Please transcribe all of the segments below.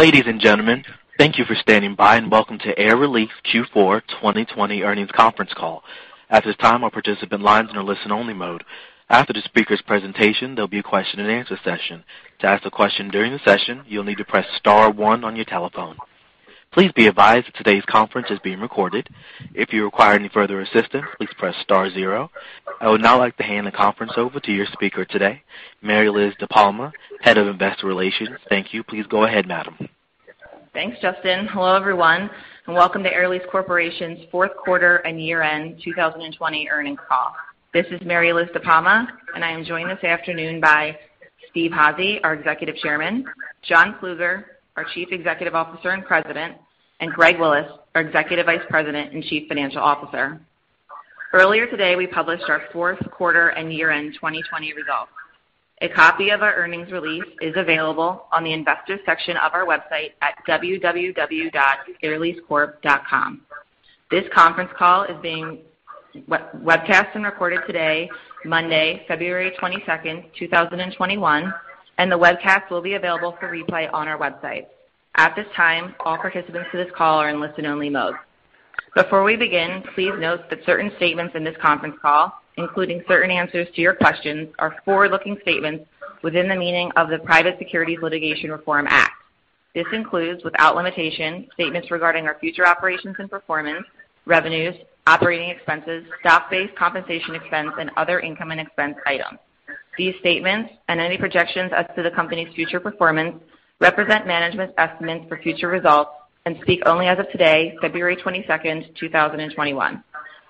Ladies and gentlemen, thank you for standing by and welcome to Air Lease Q4 2020 earnings conference call. At this time, our participant lines are in listen-only mode. After the speaker's presentation, there'll be a question-and-answer session. To ask a question during the session, you'll need to press star one on your telephone. Please be advised that today's conference is being recorded. If you require any further assistance, please press star zero. I would now like to hand the conference over to your speaker today, Mary Liz DePalma, Head of Investor Relations. Thank you. Please go ahead, madam. Thanks, Justin. Hello, everyone, and welcome to Air Lease Corporation's fourth quarter and year-end 2020 earnings call. This is Mary Liz DePalma, and I am joined this afternoon by Steve Hazy, our Executive Chairman, John Plueger, our Chief Executive Officer and President, and Greg Willis, our Executive Vice President and Chief Financial Officer. Earlier today, we published our fourth quarter and year-end 2020 results. A copy of our earnings release is available on the investor section of our website at www.airleasecorp.com. This conference call is being webcast and recorded today, Monday, February 22nd, 2021, and the webcast will be available for replay on our website. At this time, all participants of this call are in listen-only mode. Before we begin, please note that certain statements in this conference call, including certain answers to your questions, are forward-looking statements within the meaning of the Private Securities Litigation Reform Act. This includes, without limitation, statements regarding our future operations and performance, revenues, operating expenses, stock-based compensation expense, and other income and expense items. These statements and any projections as to the company's future performance represent management's estimates for future results and speak only as of today, February 22nd, 2021.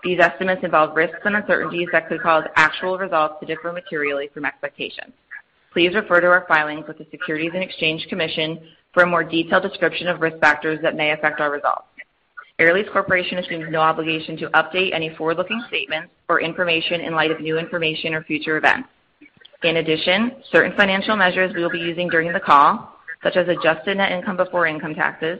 These estimates involve risks and uncertainties that could cause actual results to differ materially from expectations. Please refer to our filings with the Securities and Exchange Commission for a more detailed description of risk factors that may affect our results. Air Lease Corporation assumes no obligation to update any forward-looking statements or information in light of new information or future events. In addition, certain financial measures we will be using during the call, such as adjusted net income before income taxes,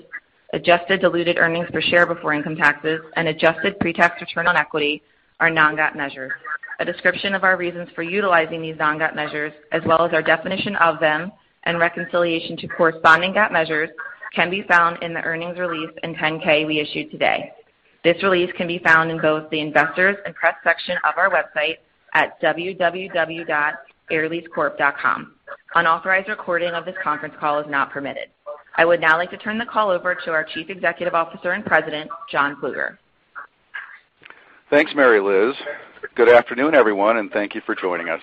adjusted diluted earnings per share before income taxes, and adjusted pre-tax return on equity, are non-GAAP measures. A description of our reasons for utilizing these non-GAAP measures, as well as our definition of them and reconciliation to corresponding GAAP measures, can be found in the earnings release and 10-K we issued today. This release can be found in both the investors' and press section of our website at www.airleasecorp.com. Unauthorized recording of this conference call is not permitted. I would now like to turn the call over to our Chief Executive Officer and President, John Plueger. Thanks, Mary Liz. Good afternoon, everyone, and thank you for joining us.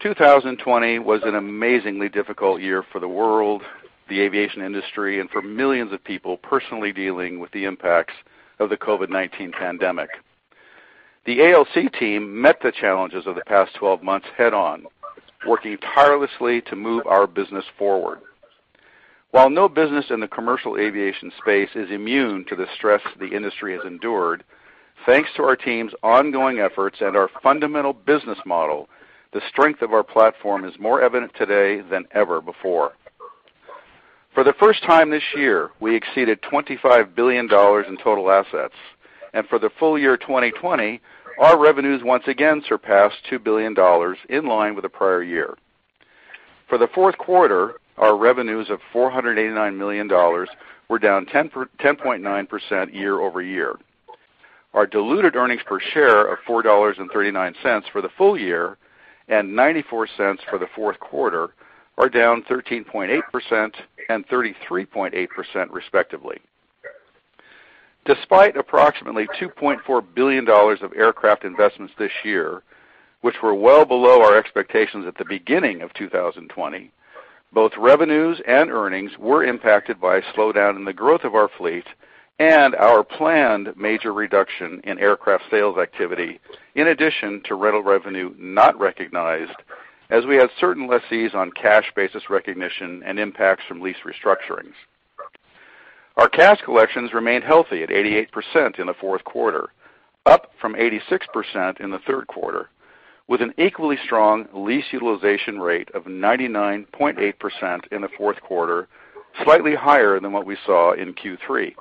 2020 was an amazingly difficult year for the world, the aviation industry, and for millions of people personally dealing with the impacts of the COVID-19 pandemic. The ALC team met the challenges of the past 12 months head-on, working tirelessly to move our business forward. While no business in the commercial aviation space is immune to the stress the industry has endured, thanks to our team's ongoing efforts and our fundamental business model, the strength of our platform is more evident today than ever before. For the first time this year, we exceeded $25 billion in total assets, and for the full year 2020, our revenues once again surpassed $2 billion, in line with the prior year. For the fourth quarter, our revenues of $489 million were down 10.9% year over year. Our diluted earnings per share of $4.39 for the full year and $0.94 for the fourth quarter are down 13.8% and 33.8%, respectively. Despite approximately $2.4 billion of aircraft investments this year, which were well below our expectations at the beginning of 2020, both revenues and earnings were impacted by a slowdown in the growth of our fleet and our planned major reduction in aircraft sales activity, in addition to rental revenue not recognized, as we had certain lessees on cash basis recognition and impacts from lease restructurings. Our cash collections remained healthy at 88% in the fourth quarter, up from 86% in the third quarter, with an equally strong lease utilization rate of 99.8% in the fourth quarter, slightly higher than what we saw in Q3.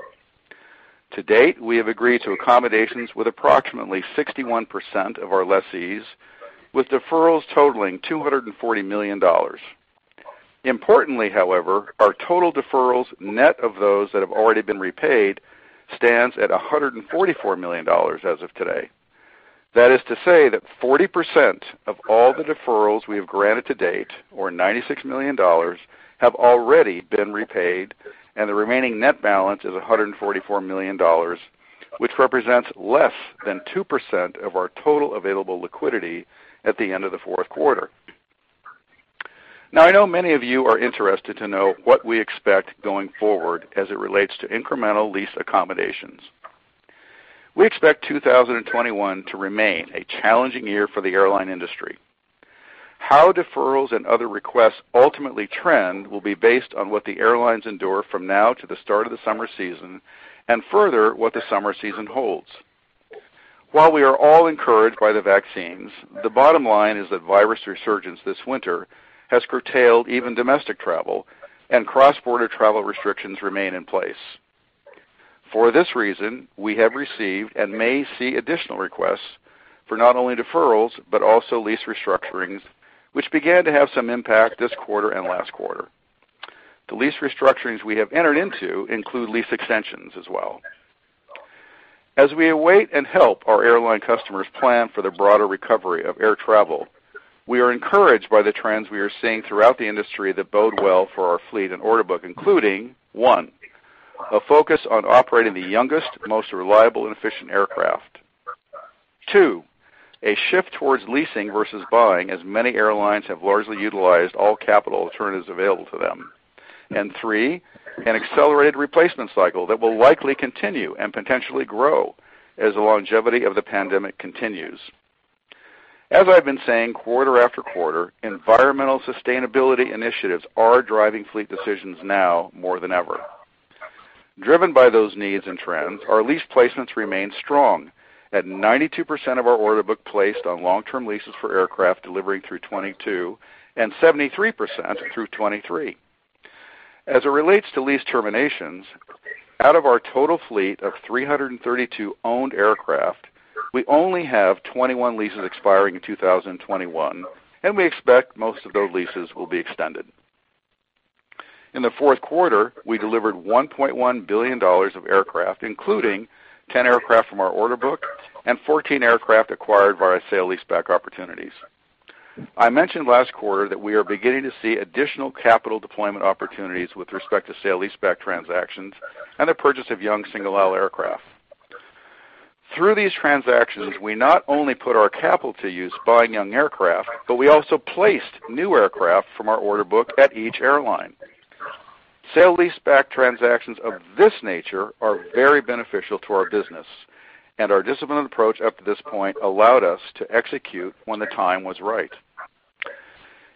To date, we have agreed to accommodations with approximately 61% of our lessees, with deferrals totaling $240 million. Importantly, however, our total deferrals net of those that have already been repaid stands at $144 million as of today. That is to say that 40% of all the deferrals we have granted to date, or $96 million, have already been repaid, and the remaining net balance is $144 million, which represents less than 2% of our total available liquidity at the end of the fourth quarter. Now, I know many of you are interested to know what we expect going forward as it relates to incremental lease accommodations. We expect 2021 to remain a challenging year for the airline industry. How deferrals and other requests ultimately trend will be based on what the airlines endure from now to the start of the summer season and further what the summer season holds. While we are all encouraged by the vaccines, the bottom line is that virus resurgence this winter has curtailed even domestic travel, and cross-border travel restrictions remain in place. For this reason, we have received and may see additional requests for not only deferrals but also lease restructurings, which began to have some impact this quarter and last quarter. The lease restructurings we have entered into include lease extensions as well. As we await and help our airline customers plan for the broader recovery of air travel, we are encouraged by the trends we are seeing throughout the industry that bode well for our fleet and order book, including one, a focus on operating the youngest, most reliable, and efficient aircraft, two, a shift towards leasing versus buying, as many airlines have largely utilized all capital alternatives available to them, and three, an accelerated replacement cycle that will likely continue and potentially grow as the longevity of the pandemic continues. As I've been saying quarter after quarter, environmental sustainability initiatives are driving fleet decisions now more than ever. Driven by those needs and trends, our lease placements remain strong at 92% of our order book placed on long-term leases for aircraft delivering through 2022 and 73% through 2023. As it relates to lease terminations, out of our total fleet of 332 owned aircraft, we only have 21 leases expiring in 2021, and we expect most of those leases will be extended. In the fourth quarter, we delivered $1.1 billion of aircraft, including 10 aircraft from our order book and 14 aircraft acquired via sale-leaseback opportunities. I mentioned last quarter that we are beginning to see additional capital deployment opportunities with respect to sale-leaseback transactions and the purchase of young single-aisle aircraft. Through these transactions, we not only put our capital to use buying young aircraft, but we also placed new aircraft from our order book at each airline. Sale-leaseback transactions of this nature are very beneficial to our business, and our disciplined approach up to this point allowed us to execute when the time was right.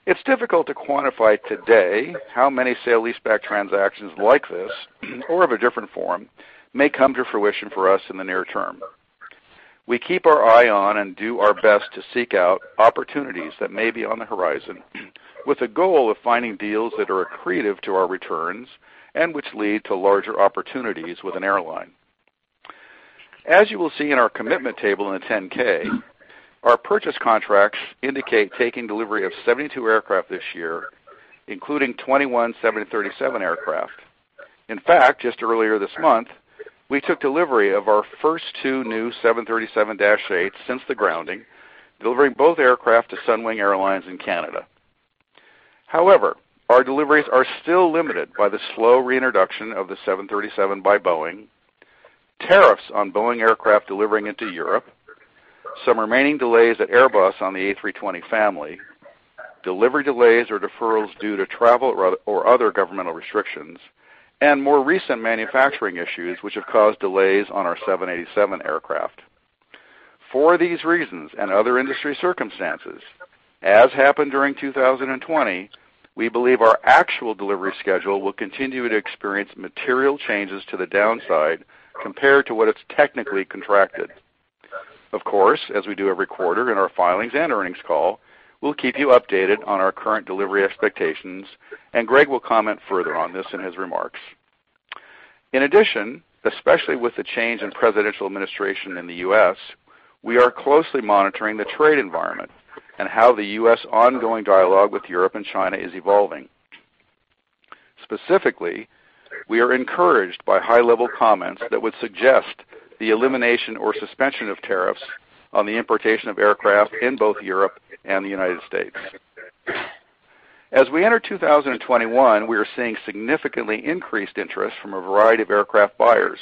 It's difficult to quantify today how many sale-leaseback transactions like this or of a different form may come to fruition for us in the near term. We keep our eye on and do our best to seek out opportunities that may be on the horizon, with a goal of finding deals that are accretive to our returns and which lead to larger opportunities with an airline. As you will see in our commitment table in the 10-K, our purchase contracts indicate taking delivery of 72 aircraft this year, including 21 737 aircraft. In fact, just earlier this month, we took delivery of our first two new 737-8s since the grounding, delivering both aircraft to Sunwing Airlines in Canada. However, our deliveries are still limited by the slow reintroduction of the 737 by Boeing, tariffs on Boeing aircraft delivering into Europe, some remaining delays at Airbus on the A320 family, delivery delays or deferrals due to travel or other governmental restrictions, and more recent manufacturing issues which have caused delays on our 787 aircraft. For these reasons and other industry circumstances, as happened during 2020, we believe our actual delivery schedule will continue to experience material changes to the downside compared to what it's technically contracted. Of course, as we do every quarter in our filings and earnings call, we'll keep you updated on our current delivery expectations, and Greg will comment further on this in his remarks. In addition, especially with the change in presidential administration in the U.S., we are closely monitoring the trade environment and how the U.S. ongoing dialogue with Europe and China is evolving. Specifically, we are encouraged by high-level comments that would suggest the elimination or suspension of tariffs on the importation of aircraft in both Europe and the United States. As we enter 2021, we are seeing significantly increased interest from a variety of aircraft buyers,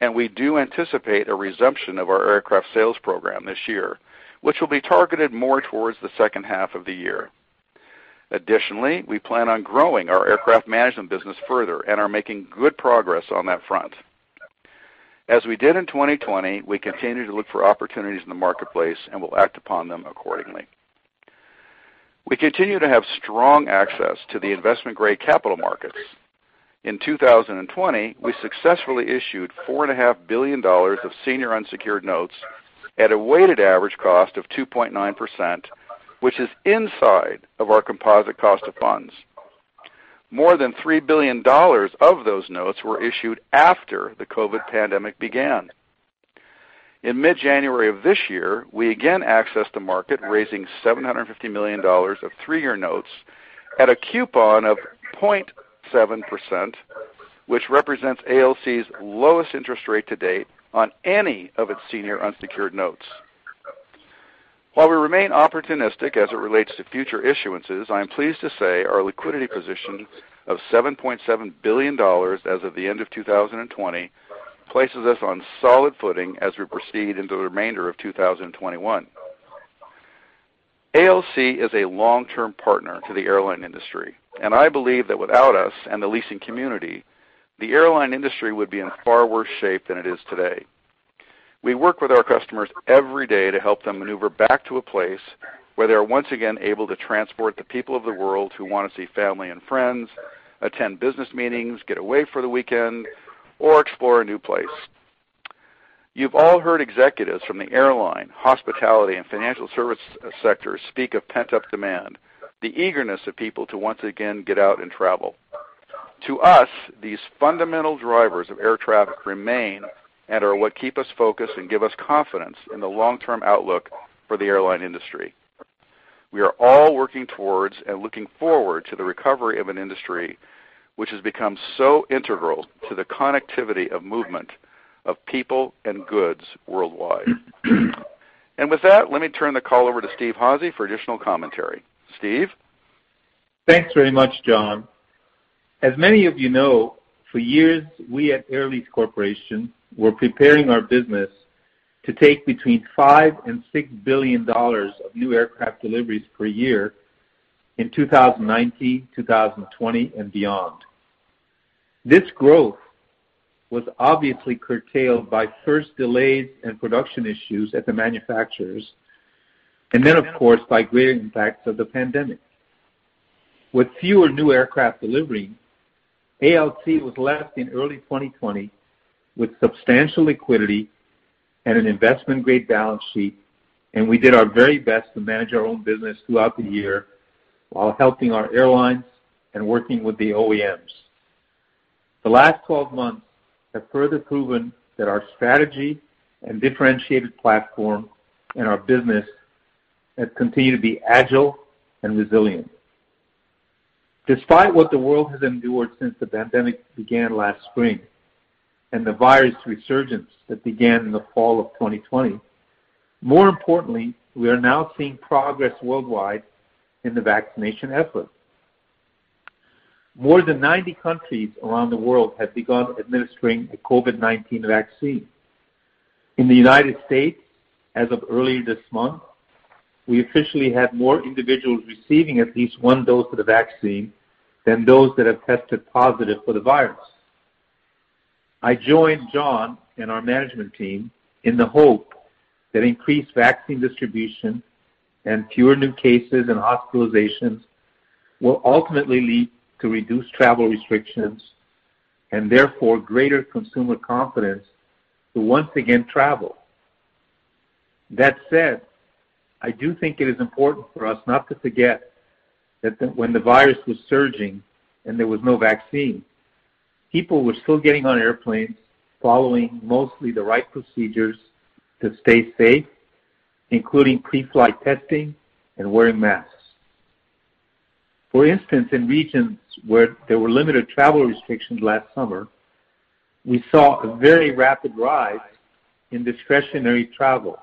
and we do anticipate a resumption of our aircraft sales program this year, which will be targeted more towards the second half of the year. Additionally, we plan on growing our aircraft management business further and are making good progress on that front. As we did in 2020, we continue to look for opportunities in the marketplace and will act upon them accordingly. We continue to have strong access to the investment-grade capital markets. In 2020, we successfully issued $4.5 billion of senior unsecured notes at a weighted average cost of 2.9%, which is inside of our composite cost of funds. More than $3 billion of those notes were issued after the COVID pandemic began. In mid-January of this year, we again accessed the market, raising $750 million of three-year notes at a coupon of 0.7%, which represents ALC's lowest interest rate to date on any of its senior unsecured notes. While we remain opportunistic as it relates to future issuances, I'm pleased to say our liquidity position of $7.7 billion as of the end of 2020 places us on solid footing as we proceed into the remainder of 2021. ALC is a long-term partner to the airline industry, and I believe that without us and the leasing community, the airline industry would be in far worse shape than it is today. We work with our customers every day to help them maneuver back to a place where they are once again able to transport the people of the world who want to see family and friends, attend business meetings, get away for the weekend, or explore a new place. You've all heard executives from the airline, hospitality, and financial service sectors speak of pent-up demand, the eagerness of people to once again get out and travel. To us, these fundamental drivers of air traffic remain and are what keep us focused and give us confidence in the long-term outlook for the airline industry. We are all working towards and looking forward to the recovery of an industry which has become so integral to the connectivity of movement of people and goods worldwide. And with that, let me turn the call over to Steve Hazy for additional commentary. Steve? Thanks very much, John. As many of you know, for years, we at Air Lease Corporation were preparing our business to take between $5 and $6 billion of new aircraft deliveries per year in 2019, 2020, and beyond. This growth was obviously curtailed by first delays and production issues at the manufacturers, and then, of course, by greater impacts of the pandemic. With fewer new aircraft delivery, ALC was left in early 2020 with substantial liquidity and an investment-grade balance sheet, and we did our very best to manage our own business throughout the year while helping our airlines and working with the OEMs. The last 12 months have further proven that our strategy and differentiated platform and our business have continued to be agile and resilient. Despite what the world has endured since the pandemic began last spring and the virus resurgence that began in the fall of 2020, more importantly, we are now seeing progress worldwide in the vaccination effort. More than 90 countries around the world have begun administering a COVID-19 vaccine. In the United States, as of earlier this month, we officially had more individuals receiving at least one dose of the vaccine than those that have tested positive for the virus. I joined John and our management team in the hope that increased vaccine distribution and fewer new cases and hospitalizations will ultimately lead to reduced travel restrictions and therefore greater consumer confidence to once again travel. That said, I do think it is important for us not to forget that when the virus was surging and there was no vaccine, people were still getting on airplanes, following mostly the right procedures to stay safe, including pre-flight testing and wearing masks. For instance, in regions where there were limited travel restrictions last summer, we saw a very rapid rise in discretionary travel.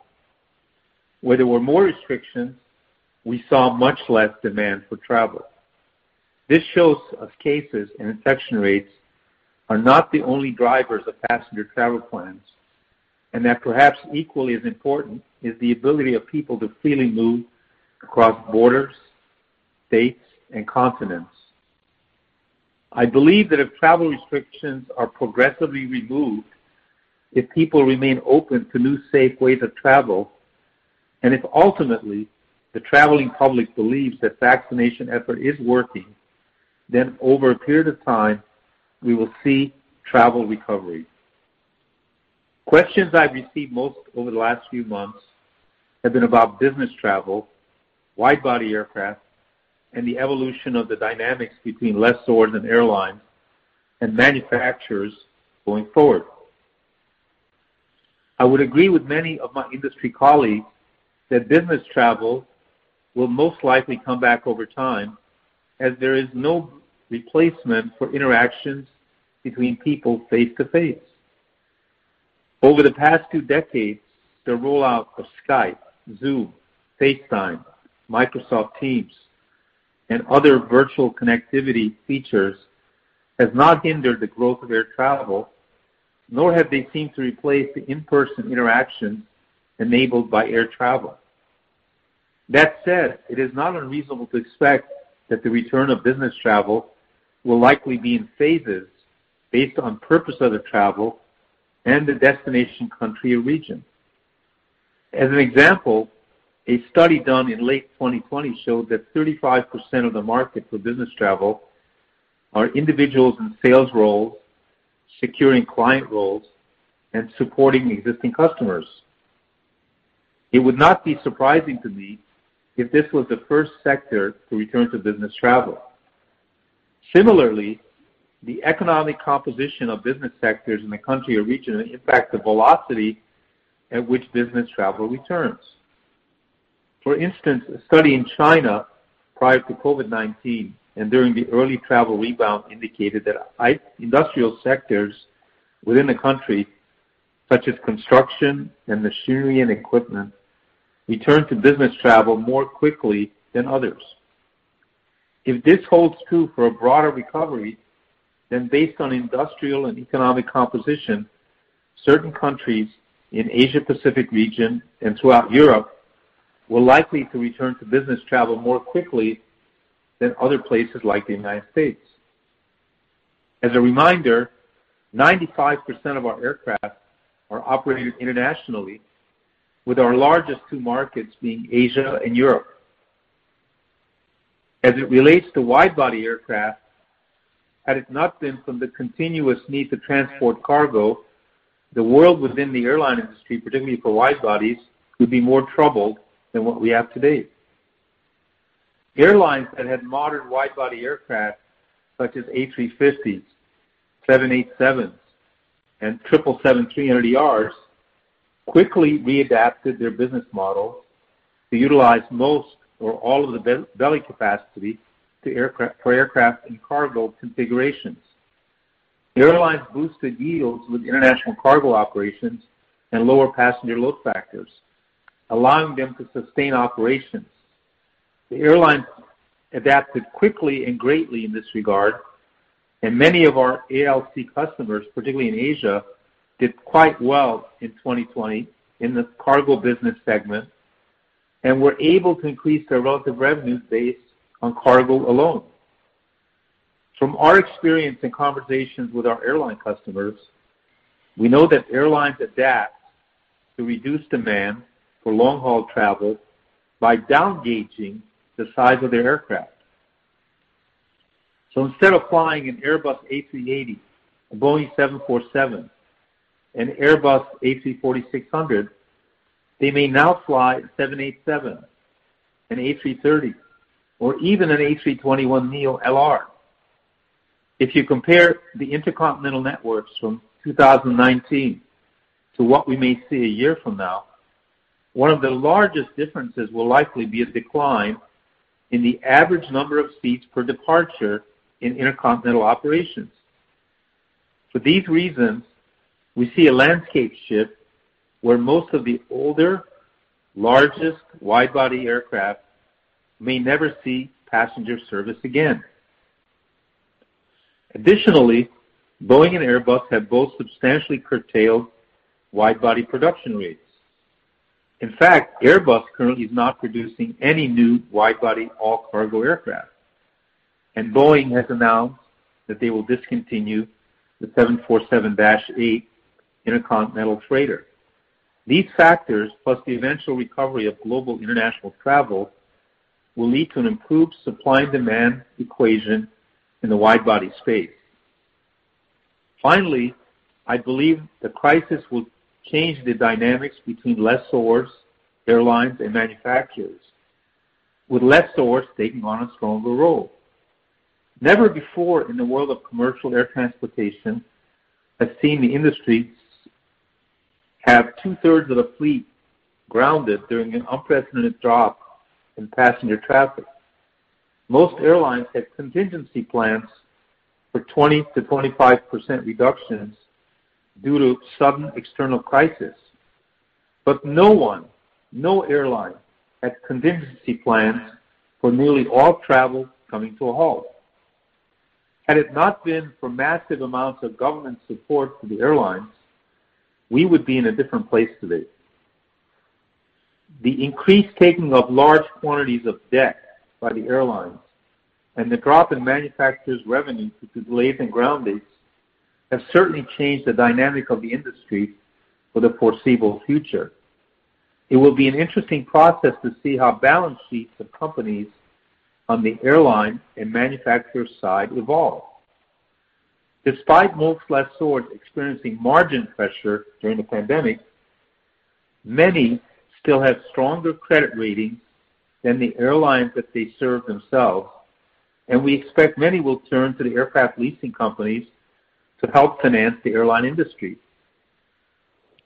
Where there were more restrictions, we saw much less demand for travel. This shows us cases and infection rates are not the only drivers of passenger travel plans, and that perhaps equally as important is the ability of people to freely move across borders, states, and continents. I believe that if travel restrictions are progressively removed, if people remain open to new safe ways of travel, and if ultimately the traveling public believes that vaccination effort is working, then over a period of time, we will see travel recovery. Questions I've received most over the last few months have been about business travel, wide-body aircraft, and the evolution of the dynamics between lessors and airlines and manufacturers going forward. I would agree with many of my industry colleagues that business travel will most likely come back over time as there is no replacement for interactions between people face-to-face. Over the past two decades, the rollout of Skype, Zoom, FaceTime, Microsoft Teams, and other virtual connectivity features has not hindered the growth of air travel, nor have they seemed to replace the in-person interactions enabled by air travel. That said, it is not unreasonable to expect that the return of business travel will likely be in phases based on purpose of the travel and the destination country or region. As an example, a study done in late 2020 showed that 35% of the market for business travel are individuals in sales roles, securing client roles, and supporting existing customers. It would not be surprising to me if this was the first sector to return to business travel. Similarly, the economic composition of business sectors in a country or region impacts the velocity at which business travel returns. For instance, a study in China prior to COVID-19 and during the early travel rebound indicated that industrial sectors within the country, such as construction and machinery and equipment, returned to business travel more quickly than others. If this holds true for a broader recovery, then based on industrial and economic composition, certain countries in the Asia-Pacific region and throughout Europe will likely return to business travel more quickly than other places like the United States. As a reminder, 95% of our aircraft are operated internationally, with our largest two markets being Asia and Europe. As it relates to wide-body aircraft, had it not been for the continuous need to transport cargo, the world within the airline industry, particularly for wide-bodies, would be more troubled than what we have today. Airlines that had modern wide-body aircraft, such as A350s, 787s, and 777-300ERs, quickly readapted their business models to utilize most or all of the belly capacity for aircraft and cargo configurations. Airlines boosted yields with international cargo operations and lower passenger load factors, allowing them to sustain operations. The airlines adapted quickly and greatly in this regard, and many of our ALC customers, particularly in Asia, did quite well in 2020 in the cargo business segment and were able to increase their relative revenue base on cargo alone. From our experience and conversations with our airline customers, we know that airlines adapt to reduce demand for long-haul travel by downgauging the size of their aircraft. So instead of flying an Airbus A380, a Boeing 747, and Airbus A340-600, they may now fly a 787, an A330, or even an A321neo LR. If you compare the intercontinental networks from 2019 to what we may see a year from now, one of the largest differences will likely be a decline in the average number of seats per departure in intercontinental operations. For these reasons, we see a landscape shift where most of the older, largest wide-body aircraft may never see passenger service again. Additionally, Boeing and Airbus have both substantially curtailed wide-body production rates. In fact, Airbus currently is not producing any new wide-body all-cargo aircraft, and Boeing has announced that they will discontinue the 747-8 Intercontinental freighter. These factors, plus the eventual recovery of global international travel, will lead to an improved supply and demand equation in the wide-body space. Finally, I believe the crisis will change the dynamics between lessors, airlines, and manufacturers, with lessors taking on a stronger role. Never before in the world of commercial air transportation have seen the industry have two-thirds of the fleet grounded during an unprecedented drop in passenger traffic. Most airlines had contingency plans for 20%-25% reductions due to sudden external crisis, but no one, no airline, had contingency plans for nearly all travel coming to a halt. Had it not been for massive amounts of government support for the airlines, we would be in a different place today. The increased taking of large quantities of debt by the airlines and the drop in manufacturers' revenue due to delays and groundings have certainly changed the dynamic of the industry for the foreseeable future. It will be an interesting process to see how balance sheets of companies on the airline and manufacturer side evolve. Despite most lessors experiencing margin pressure during the pandemic, many still have stronger credit ratings than the airlines that they serve themselves, and we expect many will turn to the aircraft leasing companies to help finance the airline industry.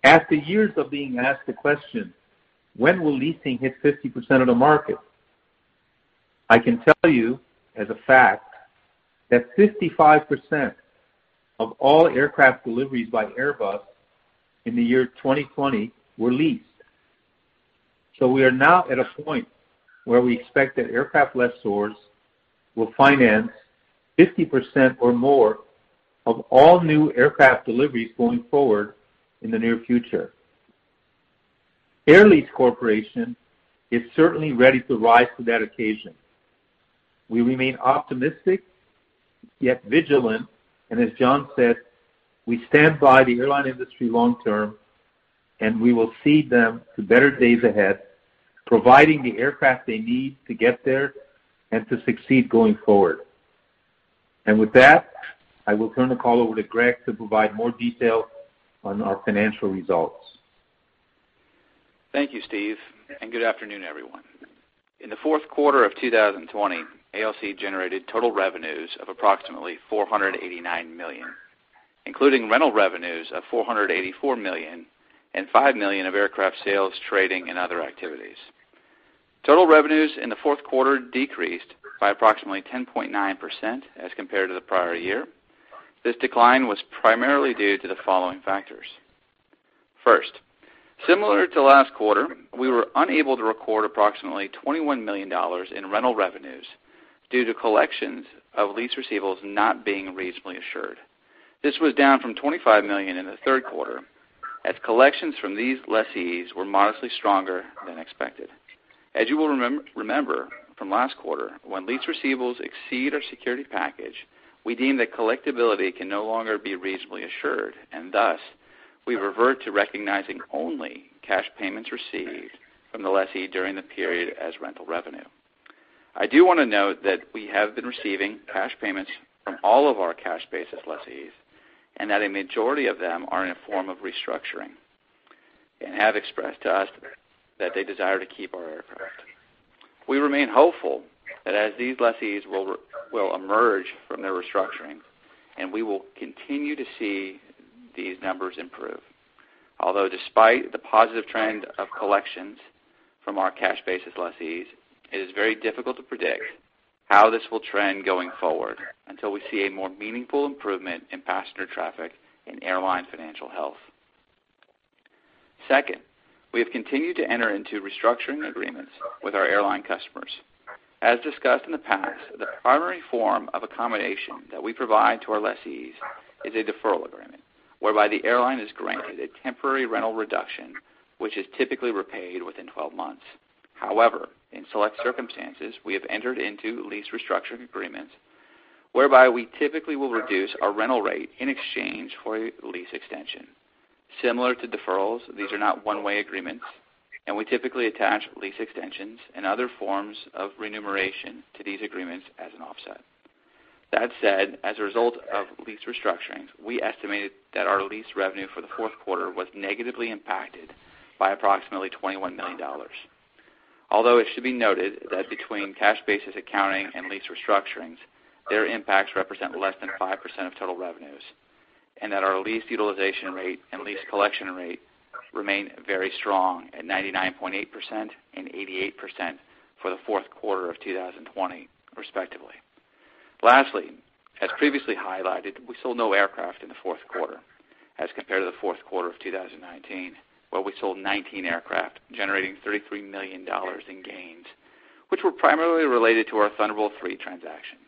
After years of being asked the question, "When will leasing hit 50% of the market?" I can tell you as a fact that 55% of all aircraft deliveries by Airbus in the year 2020 were leased, so we are now at a point where we expect that aircraft lessors will finance 50% or more of all new aircraft deliveries going forward in the near future. Air Lease Corporation is certainly ready to rise to that occasion. We remain optimistic yet vigilant, and as John said, we stand by the airline industry long-term, and we will see them to better days ahead providing the aircraft they need to get there and to succeed going forward, and with that, I will turn the call over to Greg to provide more detail on our financial results. Thank you, Steve, and good afternoon, everyone. In the fourth quarter of 2020, ALC generated total revenues of approximately $489 million, including rental revenues of $484 million and $5 million of aircraft sales, trading, and other activities. Total revenues in the fourth quarter decreased by approximately 10.9% as compared to the prior year. This decline was primarily due to the following factors. First, similar to last quarter, we were unable to record approximately $21 million in rental revenues due to collections of lease receivables not being reasonably assured. This was down from $25 million in the third quarter as collections from these lessees were modestly stronger than expected. As you will remember from last quarter, when lease receivables exceed our security package, we deem that collectibility can no longer be reasonably assured, and thus we revert to recognizing only cash payments received from the lessee during the period as rental revenue. I do want to note that we have been receiving cash payments from all of our cash-basis lessees and that a majority of them are in a form of restructuring and have expressed to us that they desire to keep our aircraft. We remain hopeful that as these lessees will emerge from their restructuring, we will continue to see these numbers improve. Although despite the positive trend of collections from our cash-basis lessees, it is very difficult to predict how this will trend going forward until we see a more meaningful improvement in passenger traffic and airline financial health. Second, we have continued to enter into restructuring agreements with our airline customers. As discussed in the past, the primary form of accommodation that we provide to our lessees is a deferral agreement whereby the airline is granted a temporary rental reduction, which is typically repaid within 12 months. However, in select circumstances, we have entered into lease restructuring agreements whereby we typically will reduce our rental rate in exchange for a lease extension. Similar to deferrals, these are not one-way agreements, and we typically attach lease extensions and other forms of remuneration to these agreements as an offset. That said, as a result of lease restructuring, we estimated that our lease revenue for the fourth quarter was negatively impacted by approximately $21 million. Although it should be noted that between cash-basis accounting and lease restructuring, their impacts represent less than 5% of total revenues and that our lease utilization rate and lease collection rate remain very strong at 99.8% and 88% for the fourth quarter of 2020, respectively. Lastly, as previously highlighted, we sold no aircraft in the fourth quarter as compared to the fourth quarter of 2019, where we sold 19 aircraft, generating $33 million in gains, which were primarily related to our Thunderbolt III transaction.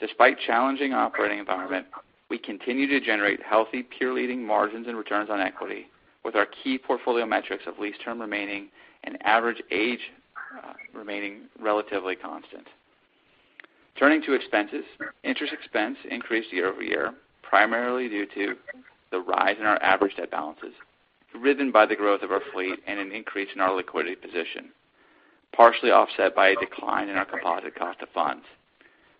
Despite challenging operating environment, we continue to generate healthy, peer-leading margins and returns on equity with our key portfolio metrics of lease term remaining and average age remaining relatively constant. Turning to expenses, interest expense increased year over year, primarily due to the rise in our average debt balances driven by the growth of our fleet and an increase in our liquidity position, partially offset by a decline in our composite cost of funds.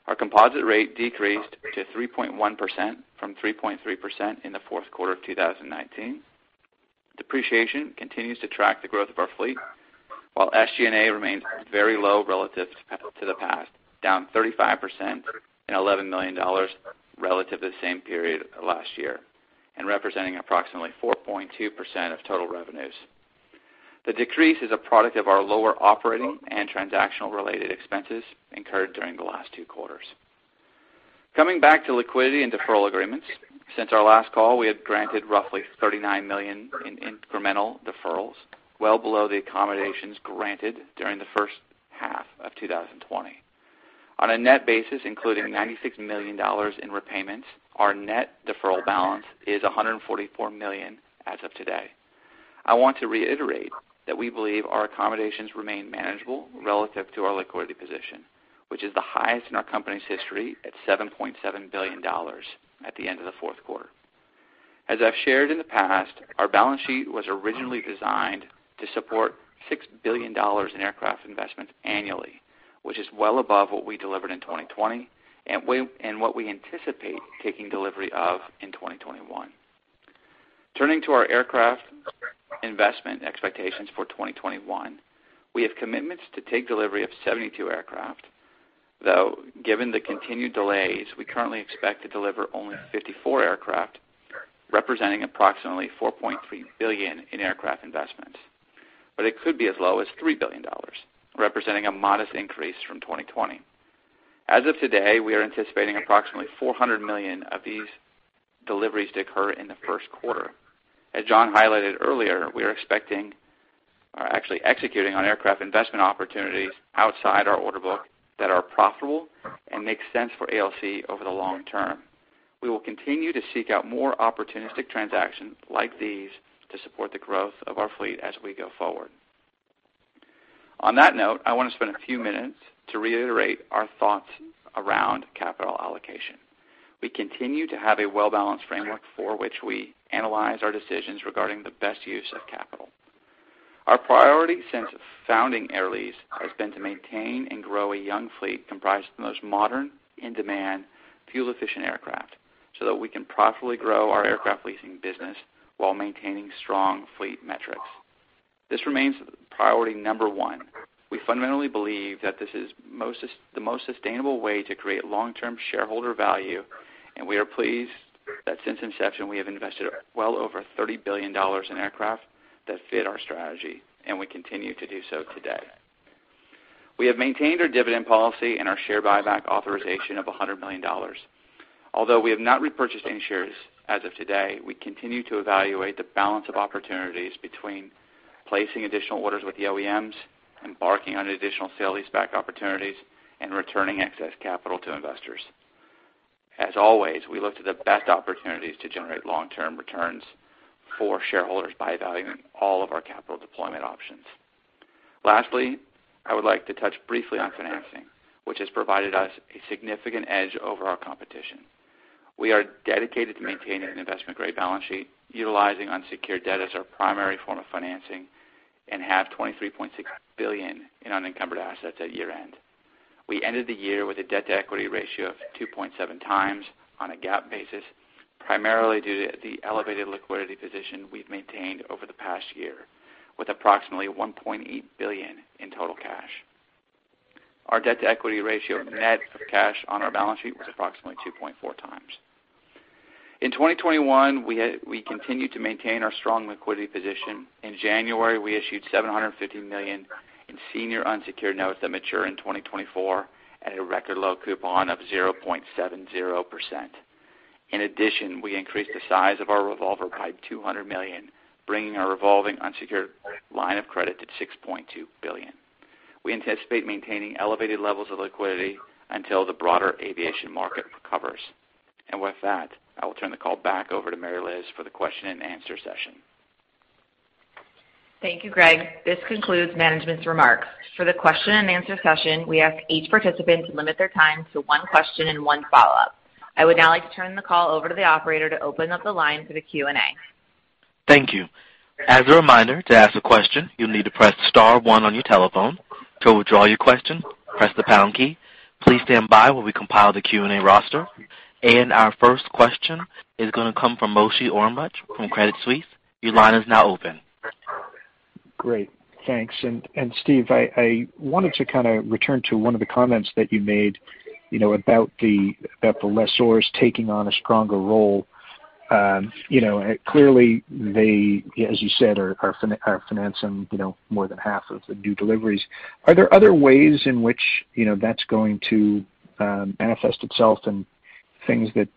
Our composite rate decreased to 3.1% from 3.3% in the fourth quarter of 2019. Depreciation continues to track the growth of our fleet, while SG&A remains very low relative to the past, down 35% and $11 million relative to the same period last year and representing approximately 4.2% of total revenues. The decrease is a product of our lower operating and transactional-related expenses incurred during the last two quarters. Coming back to liquidity and deferral agreements, since our last call, we had granted roughly $39 million in incremental deferrals, well below the accommodations granted during the first half of 2020. On a net basis, including $96 million in repayments, our net deferral balance is $144 million as of today. I want to reiterate that we believe our accommodations remain manageable relative to our liquidity position, which is the highest in our company's history at $7.7 billion at the end of the fourth quarter. As I've shared in the past, our balance sheet was originally designed to support $6 billion in aircraft investments annually, which is well above what we delivered in 2020 and what we anticipate taking delivery of in 2021. Turning to our aircraft investment expectations for 2021, we have commitments to take delivery of 72 aircraft, though given the continued delays, we currently expect to deliver only 54 aircraft, representing approximately $4.3 billion in aircraft investments, but it could be as low as $3 billion, representing a modest increase from 2020. As of today, we are anticipating approximately $400 million of these deliveries to occur in the first quarter. As John highlighted earlier, we are actually executing on aircraft investment opportunities outside our order book that are profitable and make sense for ALC over the long term. We will continue to seek out more opportunistic transactions like these to support the growth of our fleet as we go forward. On that note, I want to spend a few minutes to reiterate our thoughts around capital allocation. We continue to have a well-balanced framework for which we analyze our decisions regarding the best use of capital. Our priority since founding Air Lease has been to maintain and grow a young fleet comprised of the most modern, in-demand, fuel-efficient aircraft so that we can profitably grow our aircraft leasing business while maintaining strong fleet metrics. This remains priority number one. We fundamentally believe that this is the most sustainable way to create long-term shareholder value, and we are pleased that since inception, we have invested well over $30 billion in aircraft that fit our strategy, and we continue to do so today. We have maintained our dividend policy and our share buyback authorization of $100 million. Although we have not repurchased any shares as of today, we continue to evaluate the balance of opportunities between placing additional orders with the OEMs, embarking on additional sale-leaseback opportunities, and returning excess capital to investors. As always, we look to the best opportunities to generate long-term returns for shareholders by evaluating all of our capital deployment options. Lastly, I would like to touch briefly on financing, which has provided us a significant edge over our competition. We are dedicated to maintaining an investment-grade balance sheet, utilizing unsecured debt as our primary form of financing, and have $23.6 billion in unencumbered assets at year-end. We ended the year with a debt-to-equity ratio of 2.7x on a GAAP basis, primarily due to the elevated liquidity position we've maintained over the past year, with approximately $1.8 billion in total cash. Our debt-to-equity ratio net of cash on our balance sheet was approximately 2.4x. In 2021, we continued to maintain our strong liquidity position. In January, we issued $750 million in senior unsecured notes that mature in 2024 at a record low coupon of 0.70%. In addition, we increased the size of our revolver by $200 million, bringing our revolving unsecured line of credit to $6.2 billion. We anticipate maintaining elevated levels of liquidity until the broader aviation market recovers. With that, I will turn the call back over to Mary Liz for the question-and-answer session. Thank you, Greg. This concludes management's remarks. For the question-and-answer session, we ask each participant to limit their time to one question and one follow-up. I would now like to turn the call over to the operator to open up the line for the Q&A. Thank you. As a reminder, to ask a question, you'll need to press star one on your telephone. To withdraw your question, press the pound key. Please stand by while we compile the Q&A roster. And our first question is going to come from Moshe Orenbuch from Credit Suisse. Your line is now open. Great. Thanks. And Steve, I wanted to kind of return to one of the comments that you made about the lessors taking on a stronger role. Clearly, as you said, are financing more than half of the new deliveries. Are there other ways in which that's going to manifest itself in things that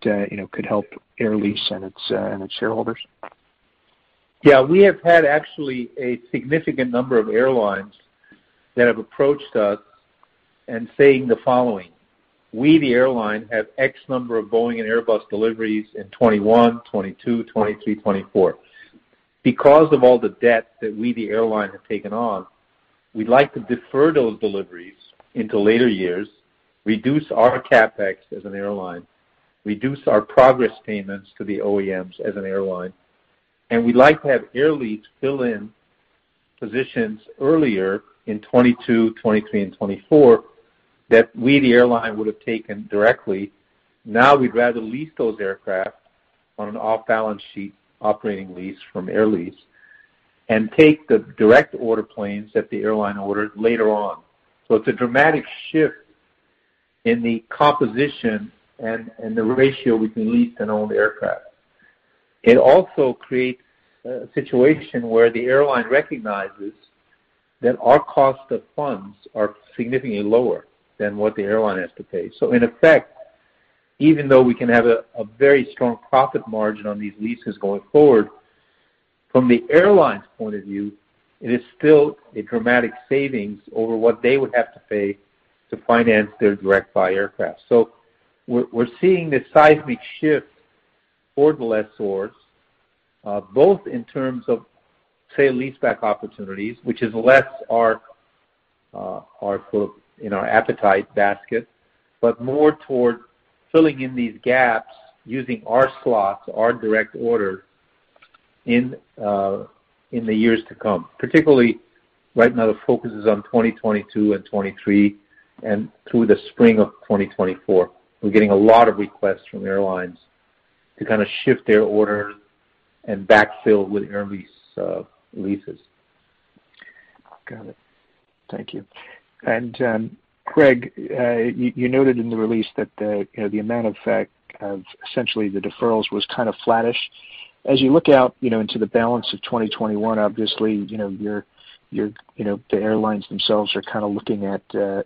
could help Air Lease and its shareholders? Yeah. We have had actually a significant number of airlines that have approached us and saying the following. We, the airline, have X number of Boeing and Airbus deliveries in 2021, 2022, 2023, 2024. Because of all the debt that we, the airline, have taken on, we'd like to defer those deliveries into later years, reduce our CapEx as an airline, reduce our progress payments to the OEMs as an airline, and we'd like to have Air Lease fill in positions earlier in 2022, 2023, and 2024 that we, the airline, would have taken directly. Now we'd rather lease those aircraft on an off-balance sheet operating lease from Air Lease and take the direct order planes that the airline ordered later on, so it's a dramatic shift in the composition and the ratio between lease and owned aircraft. It also creates a situation where the airline recognizes that our cost of funds are significantly lower than what the airline has to pay. So in effect, even though we can have a very strong profit margin on these leases going forward, from the airline's point of view, it is still a dramatic savings over what they would have to pay to finance their direct-buy aircraft. So we're seeing this seismic shift for the lessors, both in terms of, say, lease-back opportunities, which is less in our appetite basket, but more toward filling in these gaps using our slots, our direct orders in the years to come. Particularly, right now, the focus is on 2022 and 2023 and through the spring of 2024. We're getting a lot of requests from airlines to kind of shift their orders and backfill with Air Lease leases. Got it. Thank you, and Greg, you noted in the release that the amount of effect of essentially the deferrals was kind of flattish. As you look out into the balance of 2021, obviously, the airlines themselves are kind of looking at the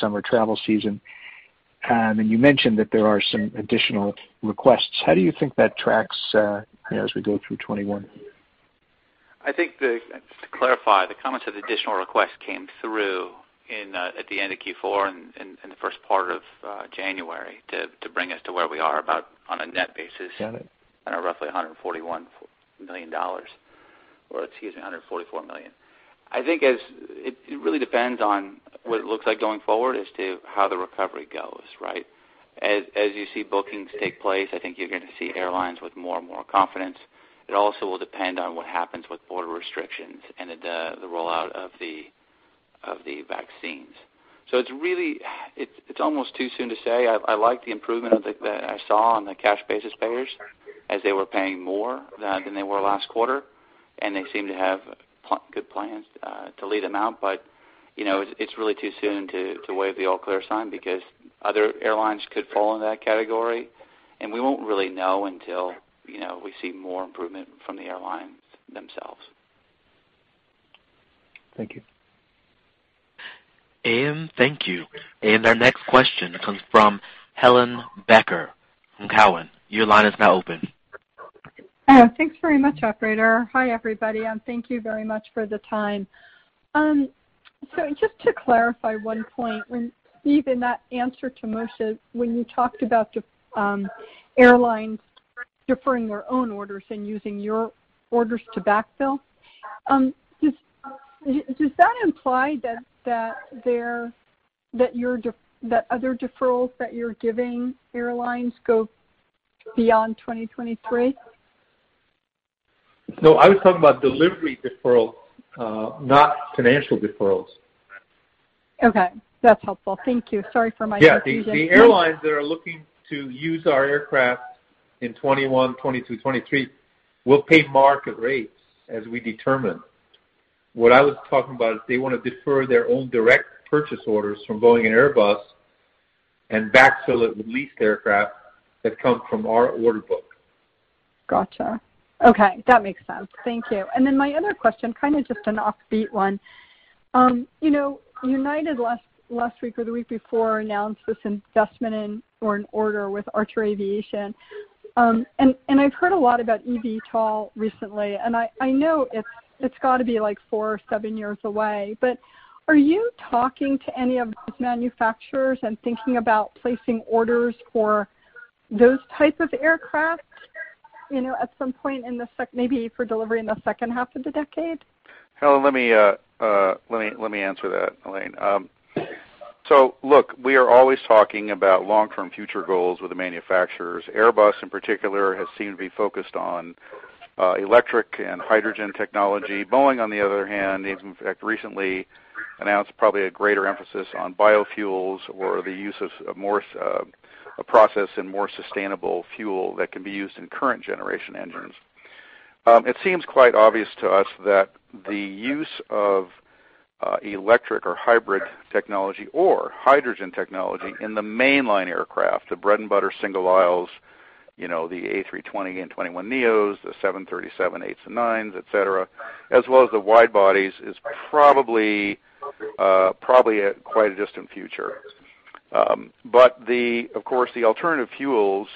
summer travel season, and you mentioned that there are some additional requests. How do you think that tracks as we go through 2021? I think, to clarify, the comments of the additional request came through at the end of Q4 and the first part of January to bring us to where we are about on a net basis and are roughly $141 million or, excuse me, $144 million. I think it really depends on what it looks like going forward as to how the recovery goes, right? As you see bookings take place, I think you're going to see airlines with more and more confidence. It also will depend on what happens with border restrictions and the rollout of the vaccines. So it's almost too soon to say. I like the improvement that I saw on the cash-basis payers as they were paying more than they were last quarter, and they seem to have good plans to lead them out. But it's really too soon to wave the all-clear sign because other airlines could fall in that category, and we won't really know until we see more improvement from the airlines themselves. Thank you. Thank you. Our next question comes from Helane Becker from Cowen. Your line is now open. Thanks very much, operator. Hi, everybody, and thank you very much for the time. So just to clarify one point, Steve, in that answer to Moshe, when you talked about airlines deferring their own orders and using your orders to backfill, does that imply that other deferrals that you're giving airlines go beyond 2023? No, I was talking about delivery deferrals, not financial deferrals. Okay. That's helpful. Thank you. Sorry for my confusion. Yeah. The airlines that are looking to use our aircraft in 2021, 2022, 2023 will pay market rates as we determine. What I was talking about is they want to defer their own direct purchase orders from Boeing and Airbus and backfill it with leased aircraft that come from our order book. Gotcha. Okay. That makes sense. Thank you. And then my other question, kind of just an offbeat one. United last week or the week before announced this investment or an order with Archer Aviation. And I've heard a lot about eVTOL recently, and I know it's got to be like four or seven years away. But are you talking to any of those manufacturers and thinking about placing orders for those types of aircraft at some point in the maybe for delivery in the second half of the decade? Hello, let me answer that, Helane. So look, we are always talking about long-term future goals with the manufacturers. Airbus, in particular, has seemed to be focused on electric and hydrogen technology. Boeing, on the other hand, in fact, recently announced probably a greater emphasis on biofuels or the use of a process and more sustainable fuel that can be used in current-generation engines. It seems quite obvious to us that the use of electric or hybrid technology or hydrogen technology in the mainline aircraft, the bread-and-butter single aisles, the A320 and A321neos, the 737-8s and 737-9s, etc., as well as the widebodies, is probably quite a distant future. But of course, the alternative fuels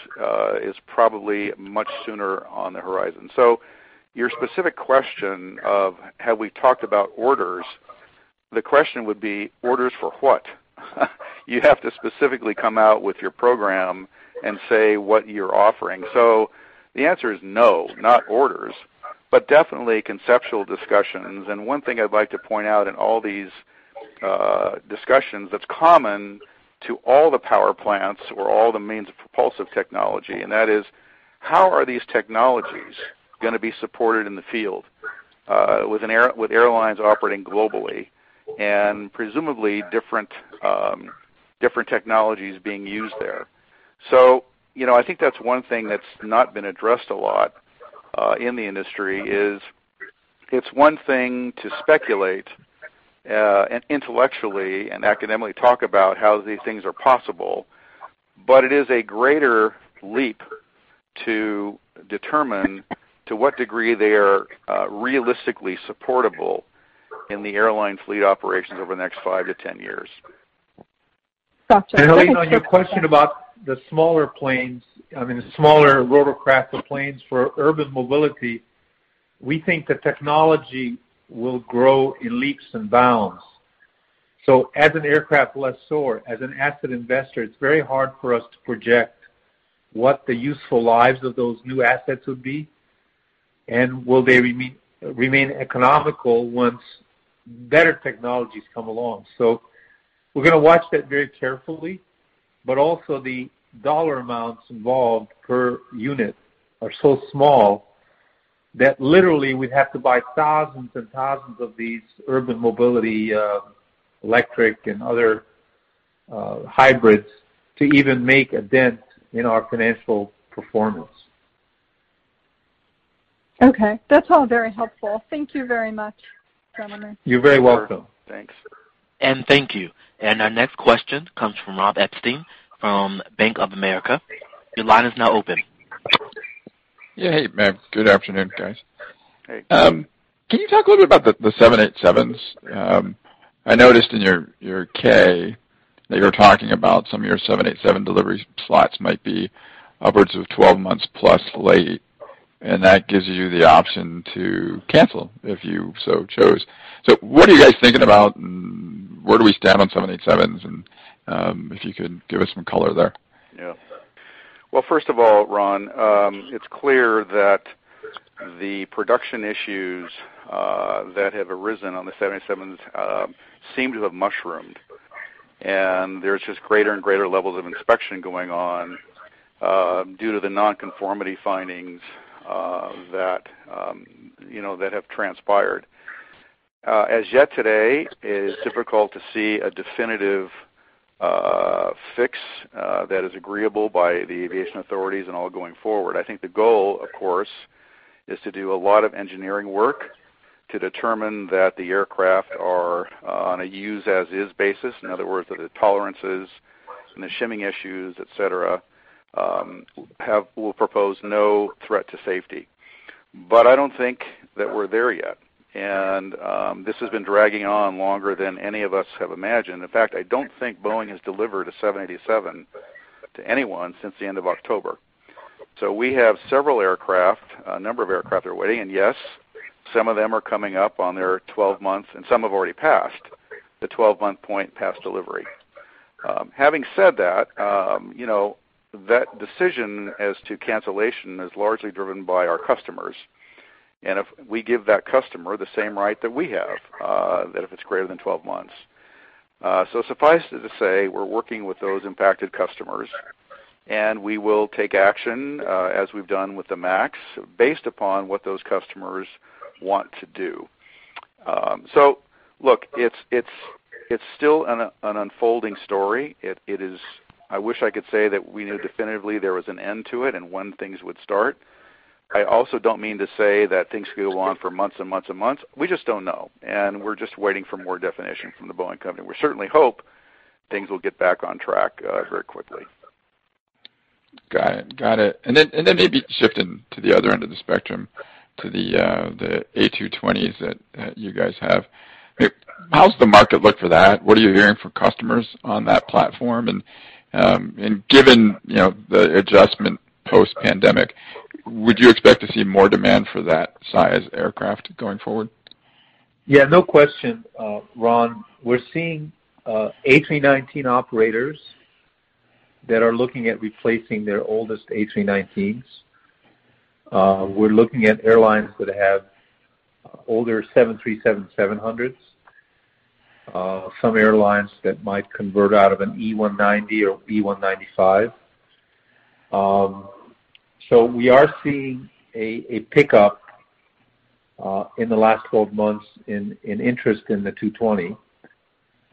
is probably much sooner on the horizon. So your specific question of, "Have we talked about orders?" The question would be, "Orders for what?" You have to specifically come out with your program and say what you're offering. So the answer is no, not orders, but definitely conceptual discussions. And one thing I'd like to point out in all these discussions that's common to all the power plants or all the means of propulsive technology, and that is, how are these technologies going to be supported in the field with airlines operating globally and presumably different technologies being used there? I think that's one thing that's not been addressed a lot in the industry. It's one thing to speculate intellectually and academically talk about how these things are possible, but it is a greater leap to determine to what degree they are realistically supportable in the airline fleet operations over the next five to 10 years. Gotcha. And Helane, on your question about the smaller planes, I mean, the smaller rotorcraft, the planes for urban mobility, we think the technology will grow in leaps and bounds. So as an aircraft lessor, as an asset investor, it's very hard for us to project what the useful lives of those new assets would be, and will they remain economical once better technologies come along? So we're going to watch that very carefully, but also the dollar amounts involved per unit are so small that literally we'd have to buy thousands and thousands of these urban mobility electric and other hybrids to even make a dent in our financial performance. Okay. That's all very helpful. Thank you very much, gentlemen. You're very welcome. Thanks. Thank you. Our next question comes from Ron Epstein from Bank of America. Your line is now open. Yeah. Hey, man. Good afternoon, guys. Hey. Can you talk a little bit about the 787s? I noticed in your K that you were talking about some of your 787 delivery slots might be upwards of 12 months plus late, and that gives you the option to cancel if you so chose. So what are you guys thinking about, and where do we stand on 787s? And if you could give us some color there. Yeah. First of all, Ron, it's clear that the production issues that have arisen on the 787s seem to have mushroomed, and there's just greater and greater levels of inspection going on due to the non-conformity findings that have transpired. As yet today, it is difficult to see a definitive fix that is agreeable by the aviation authorities and all going forward. I think the goal, of course, is to do a lot of engineering work to determine that the aircraft are on a use-as-is basis, in other words, that the tolerances and the shimming issues, etc., will propose no threat to safety, but I don't think that we're there yet, and this has been dragging on longer than any of us have imagined. In fact, I don't think Boeing has delivered a 787 to anyone since the end of October. So we have several aircraft, a number of aircraft that are waiting, and yes, some of them are coming up on their 12 months, and some have already passed the 12-month point past delivery. Having said that, that decision as to cancellation is largely driven by our customers. And we give that customer the same right that we have that if it's greater than 12 months. So suffice it to say, we're working with those impacted customers, and we will take action as we've done with the MAX based upon what those customers want to do. So look, it's still an unfolding story. I wish I could say that we knew definitively there was an end to it and when things would start. I also don't mean to say that things could go on for months and months and months. We just don't know, and we're just waiting for more definition from the Boeing company. We certainly hope things will get back on track very quickly. Got it. Got it. And then maybe shifting to the other end of the spectrum, to the A220s that you guys have. How's the market look for that? What are you hearing from customers on that platform? And given the adjustment post-pandemic, would you expect to see more demand for that size aircraft going forward? Yeah. No question, Ron. We're seeing A319 operators that are looking at replacing their oldest A319s. We're looking at airlines that have older 737-700s, some airlines that might convert out of an E190 or E195. So we are seeing a pickup in the last 12 months in interest in the 220.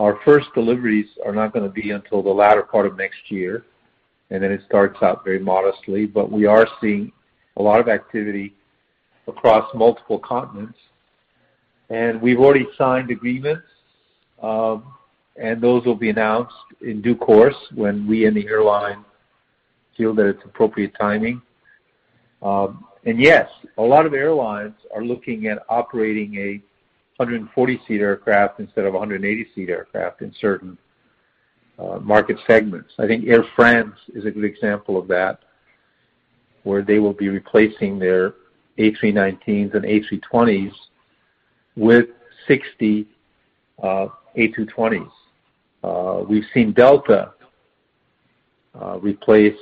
Our first deliveries are not going to be until the latter part of next year, and then it starts out very modestly. But we are seeing a lot of activity across multiple continents. And we've already signed agreements, and those will be announced in due course when we and the airline feel that it's appropriate timing. And yes, a lot of airlines are looking at operating a 140-seat aircraft instead of a 180-seat aircraft in certain market segments. I think Air France is a good example of that, where they will be replacing their A319s and A320s with 60 A220s. We've seen Delta replace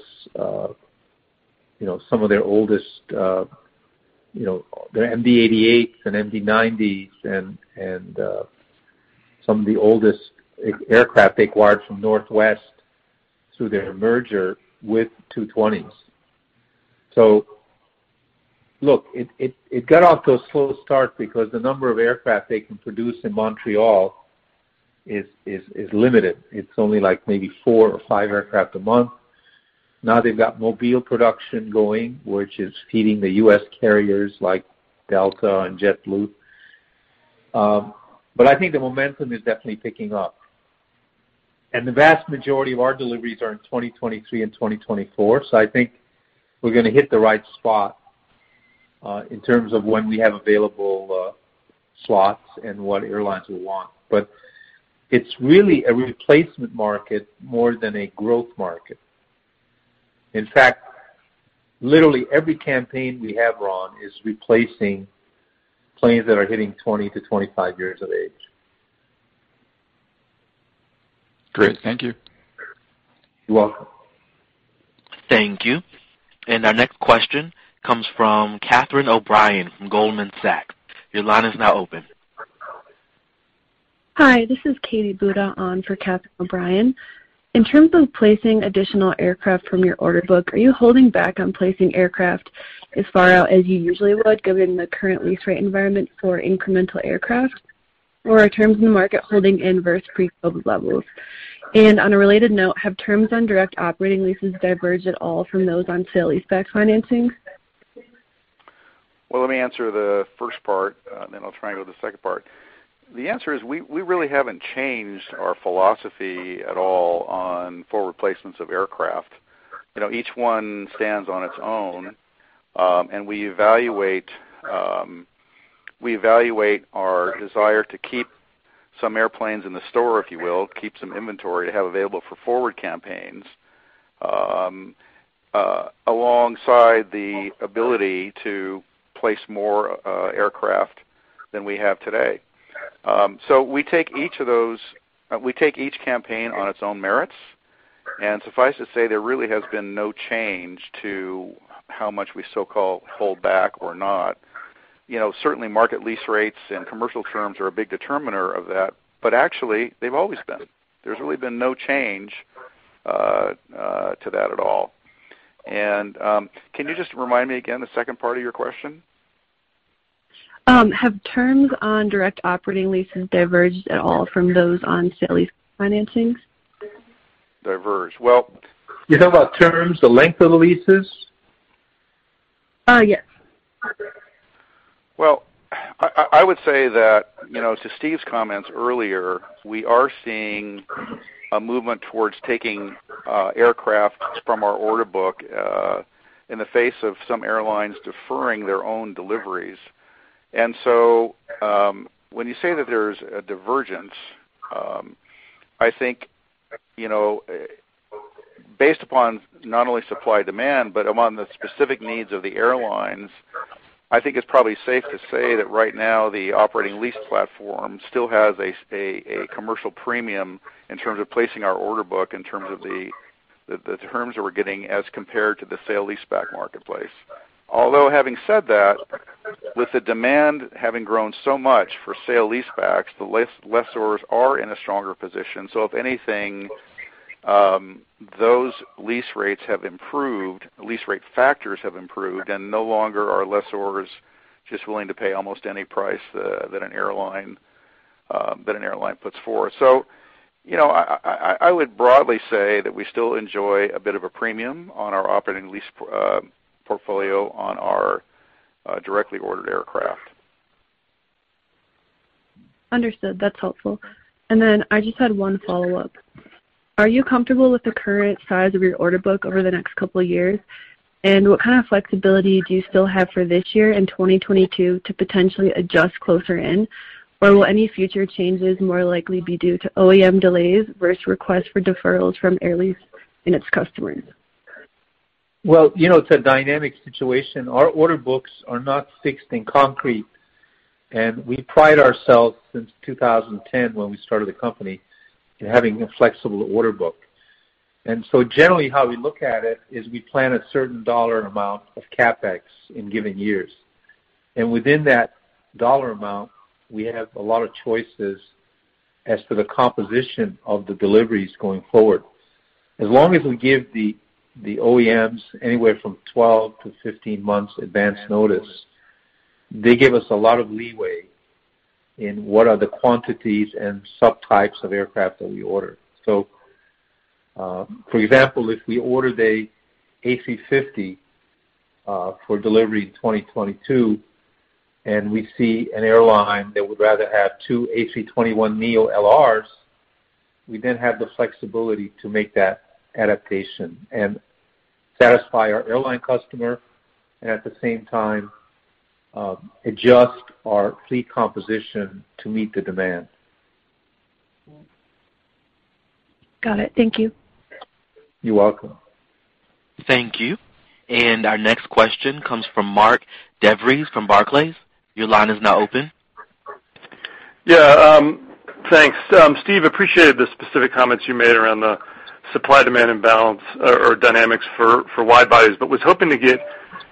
some of their oldest, their MD-88s and MD-90s and some of the oldest aircraft acquired from Northwest through their merger with 220s, so look, it got off to a slow start because the number of aircraft they can produce in Montreal is limited. It's only like maybe four or five aircraft a month. Now they've got Mobile production going, which is feeding the U.S. carriers like Delta and JetBlue, but I think the momentum is definitely picking up, and the vast majority of our deliveries are in 2023 and 2024, so I think we're going to hit the right spot in terms of when we have available slots and what airlines we want, but it's really a replacement market more than a growth market. In fact, literally every campaign we have, Ron, is replacing planes that are hitting 20 to 25 years of age. Great. Thank you. You're welcome. Thank you. And our next question comes from Catherine O'Brien from Goldman Sachs. Your line is now open. Hi. This is Kathryn Buda on for Catherine O'Brien. In terms of placing additional aircraft from your order book, are you holding back on placing aircraft as far out as you usually would given the current lease rate environment for incremental aircraft, or are terms in the market holding versus pre-COVID levels? And on a related note, have terms on direct operating leases diverged at all from those on sale-leaseback financing? Let me answer the first part, and then I'll try and go to the second part. The answer is we really haven't changed our philosophy at all on forward placements of aircraft. Each one stands on its own, and we evaluate our desire to keep some airplanes in the store, if you will, keep some inventory to have available for forward campaigns alongside the ability to place more aircraft than we have today. So we take each campaign on its own merits. And suffice it to say, there really has been no change to how much we so-called hold back or not. Certainly, market lease rates and commercial terms are a big determiner of that, but actually, they've always been. There's really been no change to that at all. And can you just remind me again the second part of your question? Have terms on direct operating leases diverged at all from those on sale-lease financings? Diverged. Well. You're talking about terms, the length of the leases? Yes. I would say that to Steve's comments earlier, we are seeing a movement towards taking aircraft from our order book in the face of some airlines deferring their own deliveries. And so when you say that there's a divergence, I think based upon not only supply-demand, but among the specific needs of the airlines, I think it's probably safe to say that right now the operating lease platform still has a commercial premium in terms of placing our order book in terms of the terms that we're getting as compared to the sale-leaseback marketplace. Although having said that, with the demand having grown so much for sale-leasebacks, the lessors are in a stronger position. So if anything, those lease rates have improved, lease rate factors have improved, and no longer are lessors just willing to pay almost any price that an airline puts forward. So I would broadly say that we still enjoy a bit of a premium on our operating lease portfolio on our directly ordered aircraft. Understood. That's helpful. And then I just had one follow-up. Are you comfortable with the current size of your order book over the next couple of years? And what kind of flexibility do you still have for this year and 2022 to potentially adjust closer in? Or will any future changes more likely be due to OEM delays versus requests for deferrals from Air Lease and its customers? It's a dynamic situation. Our order books are not fixed and concrete, and we pride ourselves since 2010 when we started the company in having a flexible order book. So generally, how we look at it is we plan a certain dollar amount of CapEx in given years. Within that dollar amount, we have a lot of choices as to the composition of the deliveries going forward. As long as we give the OEMs anywhere from 12-15 months advance notice, they give us a lot of leeway in what are the quantities and subtypes of aircraft that we order. So for example, if we ordered an A350 for delivery in 2022 and we see an airline that would rather have two A321neo LRs, we then have the flexibility to make that adaptation and satisfy our airline customer and at the same time adjust our fleet composition to meet the demand. Got it. Thank you. You're welcome. Thank you. And our next question comes from Mark DeVries from Barclays. Your line is now open. Yeah. Thanks. Steve, appreciated the specific comments you made around the supply-demand imbalance or dynamics for wide bodies, but was hoping to get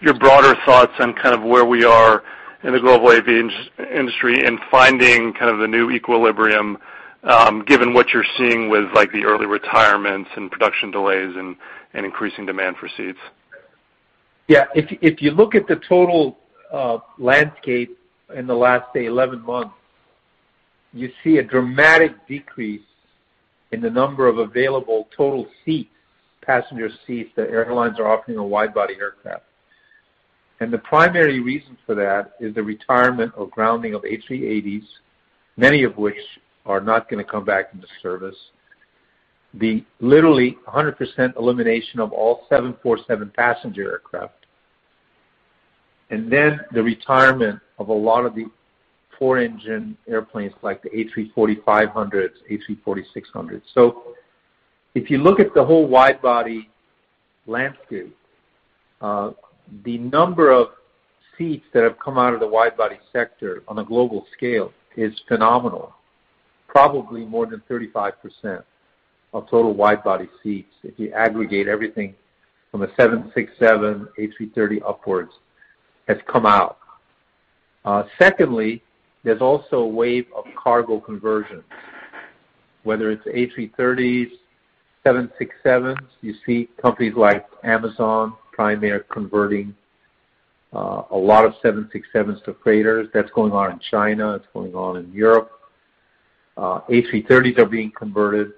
your broader thoughts on kind of where we are in the global aviation industry and finding kind of the new equilibrium given what you're seeing with the early retirements and production delays and increasing demand for seats. Yeah. If you look at the total landscape in the last, say, 11 months, you see a dramatic decrease in the number of available total seats, passenger seats that airlines are offering on wide-body aircraft. And the primary reason for that is the retirement or grounding of A380s, many of which are not going to come back into service, the literally 100% elimination of all 747 passenger aircraft, and then the retirement of a lot of the four-engine airplanes like the A340-500s, A340-600s. So if you look at the whole wide-body landscape, the number of seats that have come out of the wide-body sector on a global scale is phenomenal, probably more than 35% of total wide-body seats if you aggregate everything from a 767, A330 upwards has come out. Secondly, there's also a wave of cargo conversions, whether it's A330s, 767s. You see companies like Amazon Prime Air converting a lot of 767s to freighters. That's going on in China. It's going on in Europe. A330s are being converted.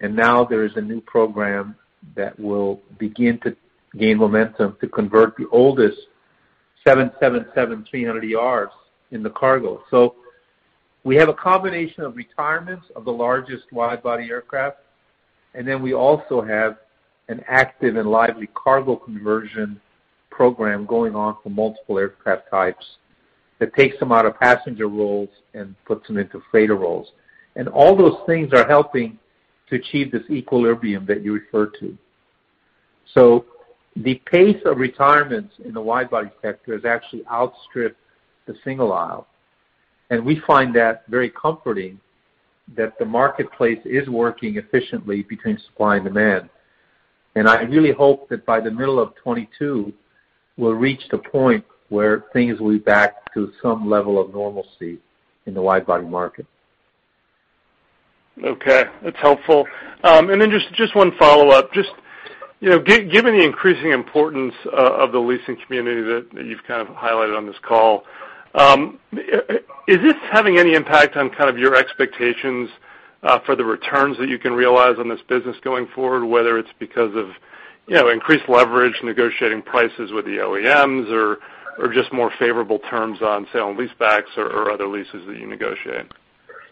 And now there is a new program that will begin to gain momentum to convert the oldest 777-300ERs into cargo. So we have a combination of retirements of the largest wide-body aircraft, and then we also have an active and lively cargo conversion program going on for multiple aircraft types that takes them out of passenger roles and puts them into freighter roles. And all those things are helping to achieve this equilibrium that you refer to. So the pace of retirements in the wide-body sector has actually outstripped the single aisle. And we find that very comforting that the marketplace is working efficiently between supply and demand. I really hope that by the middle of 2022, we'll reach the point where things will be back to some level of normalcy in the wide-body market. Okay. That's helpful. And then just one follow-up. Just given the increasing importance of the leasing community that you've kind of highlighted on this call, is this having any impact on kind of your expectations for the returns that you can realize on this business going forward, whether it's because of increased leverage, negotiating prices with the OEMs, or just more favorable terms on sale and leasebacks or other leases that you negotiate?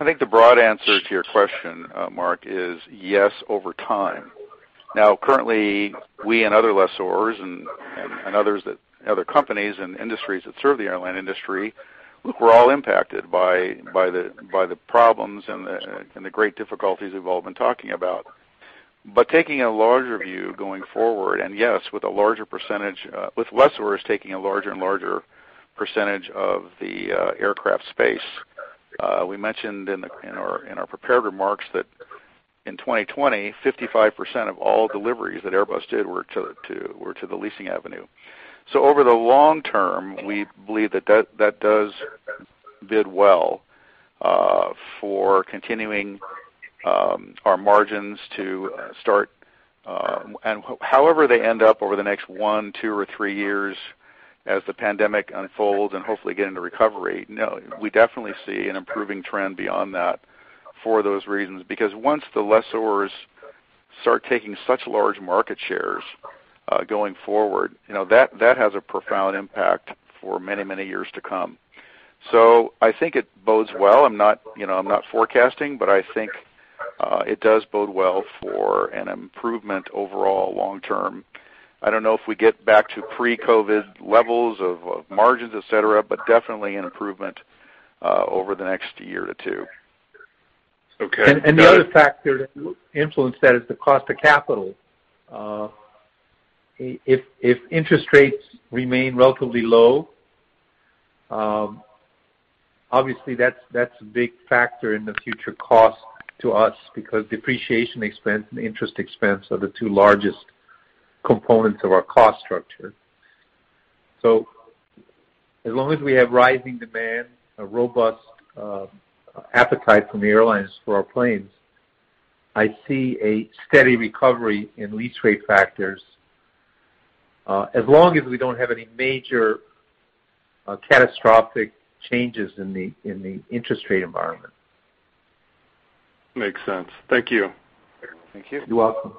I think the broad answer to your question, Mark, is yes, over time. Now, currently, we and other lessors and others that other companies and industries that serve the airline industry, look, we're all impacted by the problems and the great difficulties we've all been talking about. But taking a larger view going forward, and yes, with a larger percentage with lessors taking a larger and larger percentage of the aircraft space. We mentioned in our prepared remarks that in 2020, 55% of all deliveries that Airbus did were to the leasing avenue. So over the long term, we believe that that does bode well for continuing our margins to start, and, however, they end up over the next one, two, or three years as the pandemic unfolds and hopefully get into recovery, we definitely see an improving trend beyond that for those reasons. Because once the lessors start taking such large market shares going forward, that has a profound impact for many, many years to come. So I think it bodes well. I'm not forecasting, but I think it does bode well for an improvement overall long term. I don't know if we get back to pre-COVID levels of margins, etc., but definitely an improvement over the next year to two. Okay. And the other factor to influence that is the cost of capital. If interest rates remain relatively low, obviously, that's a big factor in the future cost to us because depreciation expense and interest expense are the two largest components of our cost structure. So as long as we have rising demand, a robust appetite from the airlines for our planes, I see a steady recovery in lease rate factors as long as we don't have any major catastrophic changes in the interest rate environment. Makes sense. Thank you. Thank you. You're welcome.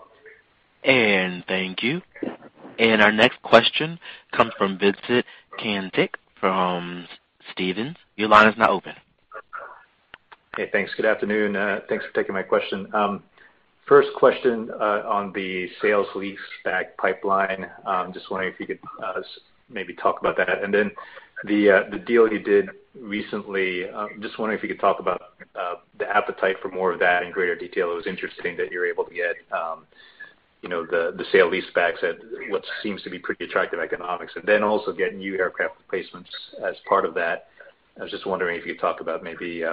And thank you. And our next question comes from Vincent Caintic from Stephens. Your line is now open. Hey, thanks. Good afternoon. Thanks for taking my question. First question on the sale-leaseback pipeline. Just wondering if you could maybe talk about that. And then the deal you did recently, just wondering if you could talk about the appetite for more of that in greater detail. It was interesting that you're able to get the sale-leasebacks at what seems to be pretty attractive economics, and then also getting new aircraft replacements as part of that. I was just wondering if you could talk about maybe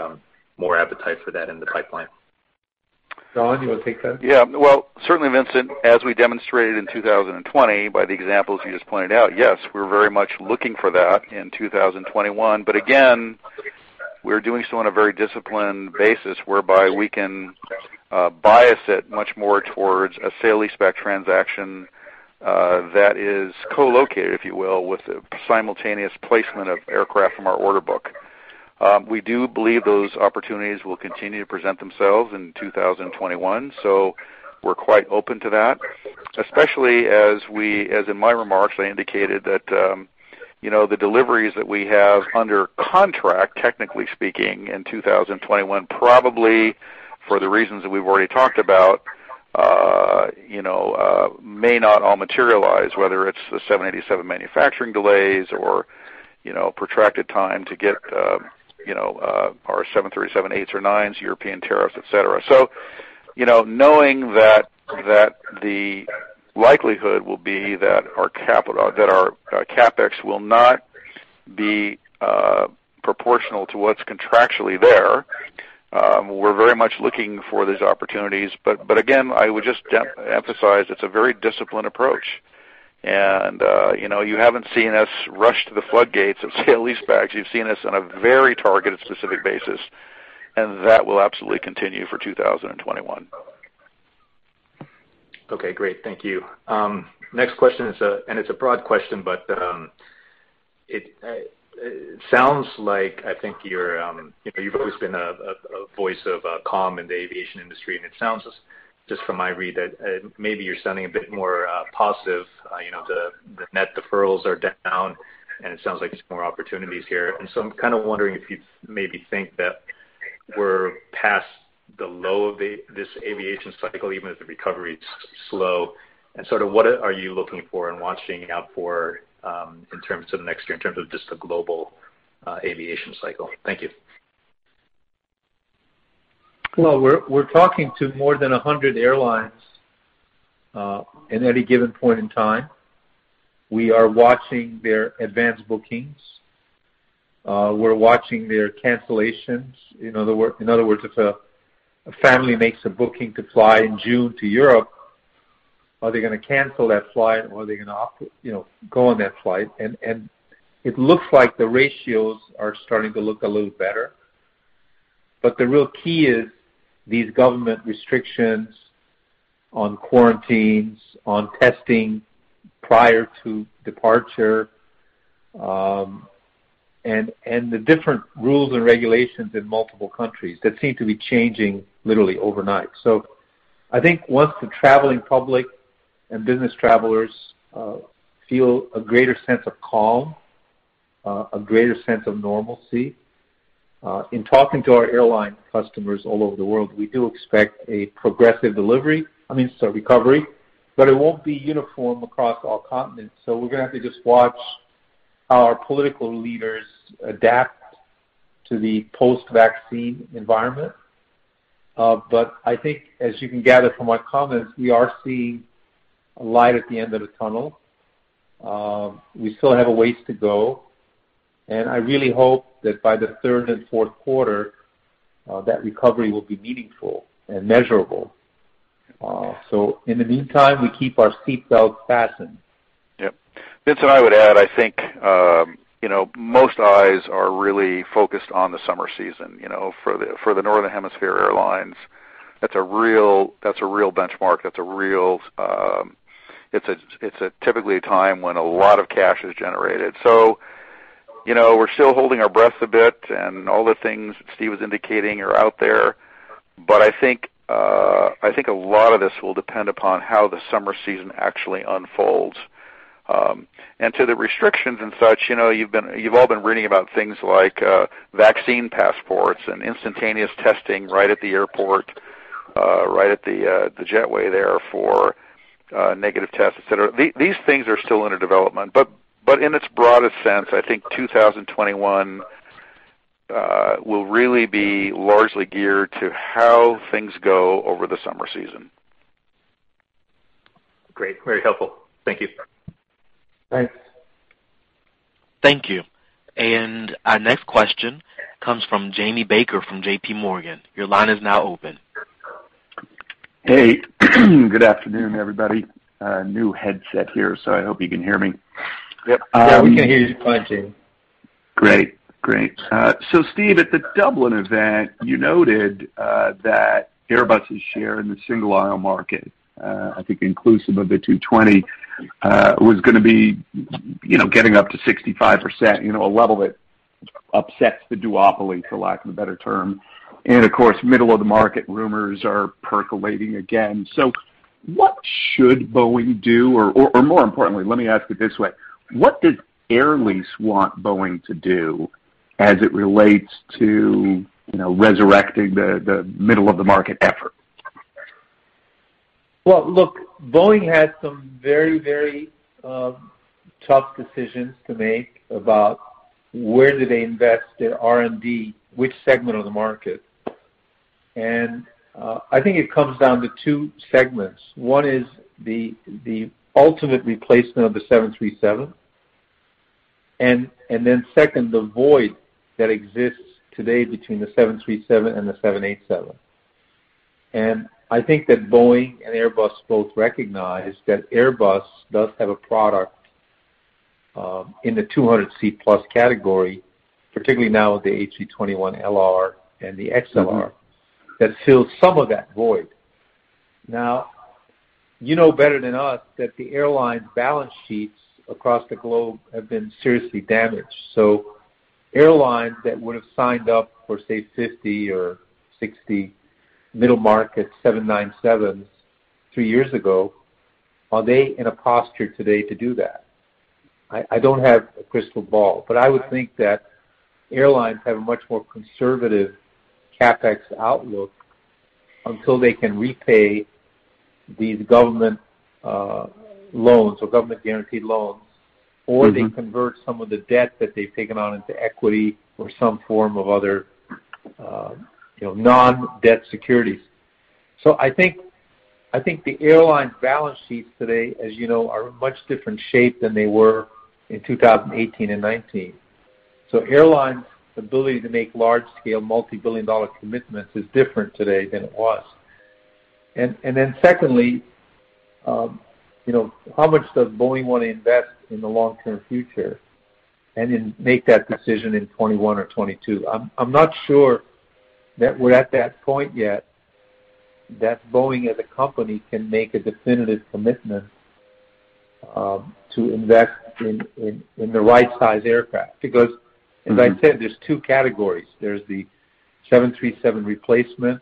more appetite for that in the pipeline. John, you want to take that? Yeah. Well, certainly, Vincent, as we demonstrated in 2020 by the examples you just pointed out, yes, we're very much looking for that in 2021. But again, we're doing so on a very disciplined basis whereby we can bias it much more towards a sale-leaseback transaction that is co-located, if you will, with the simultaneous placement of aircraft from our order book. We do believe those opportunities will continue to present themselves in 2021. So we're quite open to that, especially as in my remarks, I indicated that the deliveries that we have under contract, technically speaking, in 2021, probably for the reasons that we've already talked about, may not all materialize, whether it's the 787 manufacturing delays or protracted time to get our 737-8s or 9s, European tariffs, etc. So knowing that the likelihood will be that our CapEx will not be proportional to what's contractually there, we're very much looking for these opportunities. But again, I would just emphasize it's a very disciplined approach. And you haven't seen us rush to the floodgates of sale-leasebacks. You've seen us on a very targeted specific basis, and that will absolutely continue for 2021. Okay. Great. Thank you. Next question, and it's a broad question, but it sounds like I think you've always been a voice of calm in the aviation industry. And it sounds just from my read that maybe you're sounding a bit more positive. The net deferrals are down, and it sounds like there's more opportunities here. And so I'm kind of wondering if you maybe think that we're past the low of this aviation cycle, even if the recovery is slow. And sort of what are you looking for and watching out for in terms of next year, in terms of just the global aviation cycle? Thank you. We're talking to more than 100 airlines at any given point in time. We are watching their advance bookings. We're watching their cancellations. In other words, if a family makes a booking to fly in June to Europe, are they going to cancel that flight, or are they going to go on that flight? And it looks like the ratios are starting to look a little better. But the real key is these government restrictions on quarantines, on testing prior to departure, and the different rules and regulations in multiple countries that seem to be changing literally overnight. So I think once the traveling public and business travelers feel a greater sense of calm, a greater sense of normalcy, in talking to our airline customers all over the world, we do expect a progressive delivery, I mean, sorry, recovery, but it won't be uniform across all continents. So we're going to have to just watch how our political leaders adapt to the post-vaccine environment. But I think, as you can gather from my comments, we are seeing a light at the end of the tunnel. We still have a ways to go. And I really hope that by the third and fourth quarter, that recovery will be meaningful and measurable. So in the meantime, we keep our seatbelts fastened. Yeah. Vincent, I would add, I think most eyes are really focused on the summer season. For the Northern Hemisphere airlines, that's a real benchmark. That's a real. It's typically a time when a lot of cash is generated. So we're still holding our breath a bit, and all the things Steve was indicating are out there. But I think a lot of this will depend upon how the summer season actually unfolds, and to the restrictions and such, you've all been reading about things like vaccine passports and instantaneous testing right at the airport, right at the jetway there for negative tests, etc. These things are still under development, but in its broadest sense, I think 2021 will really be largely geared to how things go over the summer season. Great. Very helpful. Thank you. Thanks. Thank you. And our next question comes from Jamie Baker from JPMorgan. Your line is now open. Hey. Good afternoon, everybody. New headset here, so I hope you can hear me. Yep. Yeah, we can hear you fine, Jamie. Great. Great. So Steve, at the Dublin event, you noted that Airbus's share in the single aisle market, I think inclusive of the 220, was going to be getting up to 65%, a level that upsets the duopoly, for lack of a better term. And of course, middle-of-the-market rumors are percolating again. So what should Boeing do? Or more importantly, let me ask it this way. What does Air Lease want Boeing to do as it relates to resurrecting the middle-of-the-market effort? Look, Boeing has some very, very tough decisions to make about where do they invest their R&D, which segment of the market. I think it comes down to two segments. One is the ultimate replacement of the 737. Second, the void that exists today between the 737 and the 787. I think that Boeing and Airbus both recognize that Airbus does have a product in the 200-seat-plus category, particularly now with the A321LR and the XLR, that fills some of that void. Now, you know better than us that the airline balance sheets across the globe have been seriously damaged. Airlines that would have signed up for, say, 50 or 60 middle-market 797s three years ago, are they in a posture today to do that? I don't have a crystal ball, but I would think that airlines have a much more conservative CapEx outlook until they can repay these government loans or government-guaranteed loans, or they convert some of the debt that they've taken on into equity or some form of other non-debt securities. So I think the airline balance sheets today, as you know, are in a much different shape than they were in 2018 and 2019. So airlines' ability to make large-scale multi-billion-dollar commitments is different today than it was. And then secondly, how much does Boeing want to invest in the long-term future and then make that decision in 2021 or 2022? I'm not sure that we're at that point yet that Boeing, as a company, can make a definitive commitment to invest in the right-sized aircraft. Because, as I said, there's two categories. There's the 737 replacement,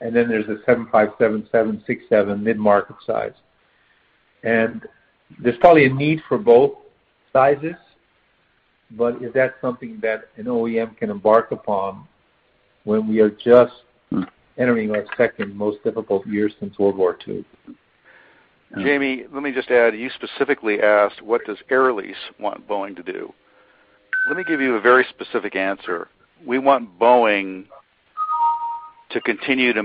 and then there's the 757, 767 mid-market size. There's probably a need for both sizes, but is that something that an OEM can embark upon when we are just entering our second most difficult year since World War II? Jamie, let me just add, you specifically asked, "What does Air Lease want Boeing to do?" Let me give you a very specific answer. We want Boeing to continue to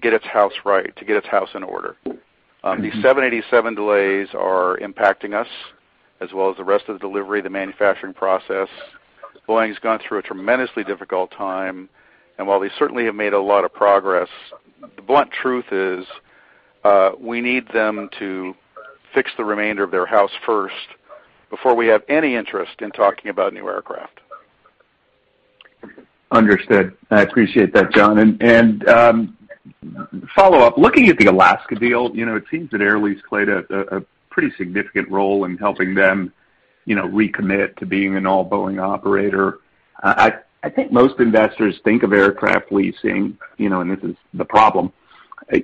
get its house right, to get its house in order. The 787 delays are impacting us as well as the rest of the delivery, the manufacturing process. Boeing's gone through a tremendously difficult time. And while they certainly have made a lot of progress, the blunt truth is we need them to fix the remainder of their house first before we have any interest in talking about new aircraft. Understood. I appreciate that, John. And follow-up, looking at the Alaska deal, it seems that Air Lease played a pretty significant role in helping them recommit to being an all-Boeing operator. I think most investors think of aircraft leasing, and this is the problem, as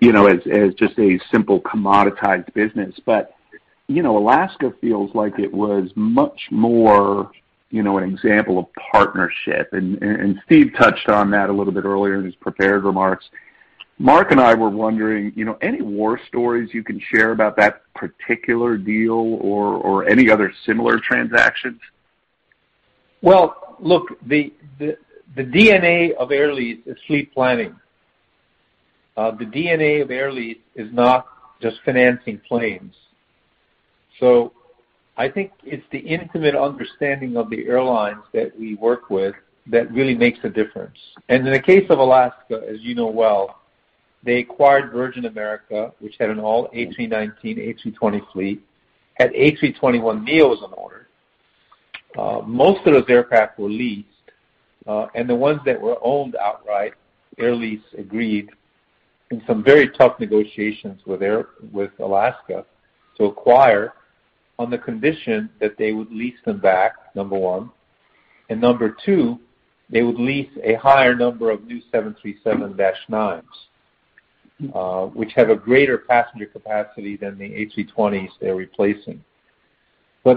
just a simple commoditized business. But Alaska feels like it was much more an example of partnership. And Steve touched on that a little bit earlier in his prepared remarks. Mark and I were wondering, any war stories you can share about that particular deal or any other similar transactions? Look, the DNA of Air Lease is fleet planning. The DNA of Air Lease is not just financing planes. I think it's the intimate understanding of the airlines that we work with that really makes a difference. In the case of Alaska, as you know well, they acquired Virgin America, which had an all A319, A320 fleet, had A321neos on order. Most of those aircraft were leased. The ones that were owned outright, Air Lease agreed in some very tough negotiations with Alaska to acquire on the condition that they would lease them back, number one. Number two, they would lease a higher number of new 737-9s, which have a greater passenger capacity than the A320s they're replacing.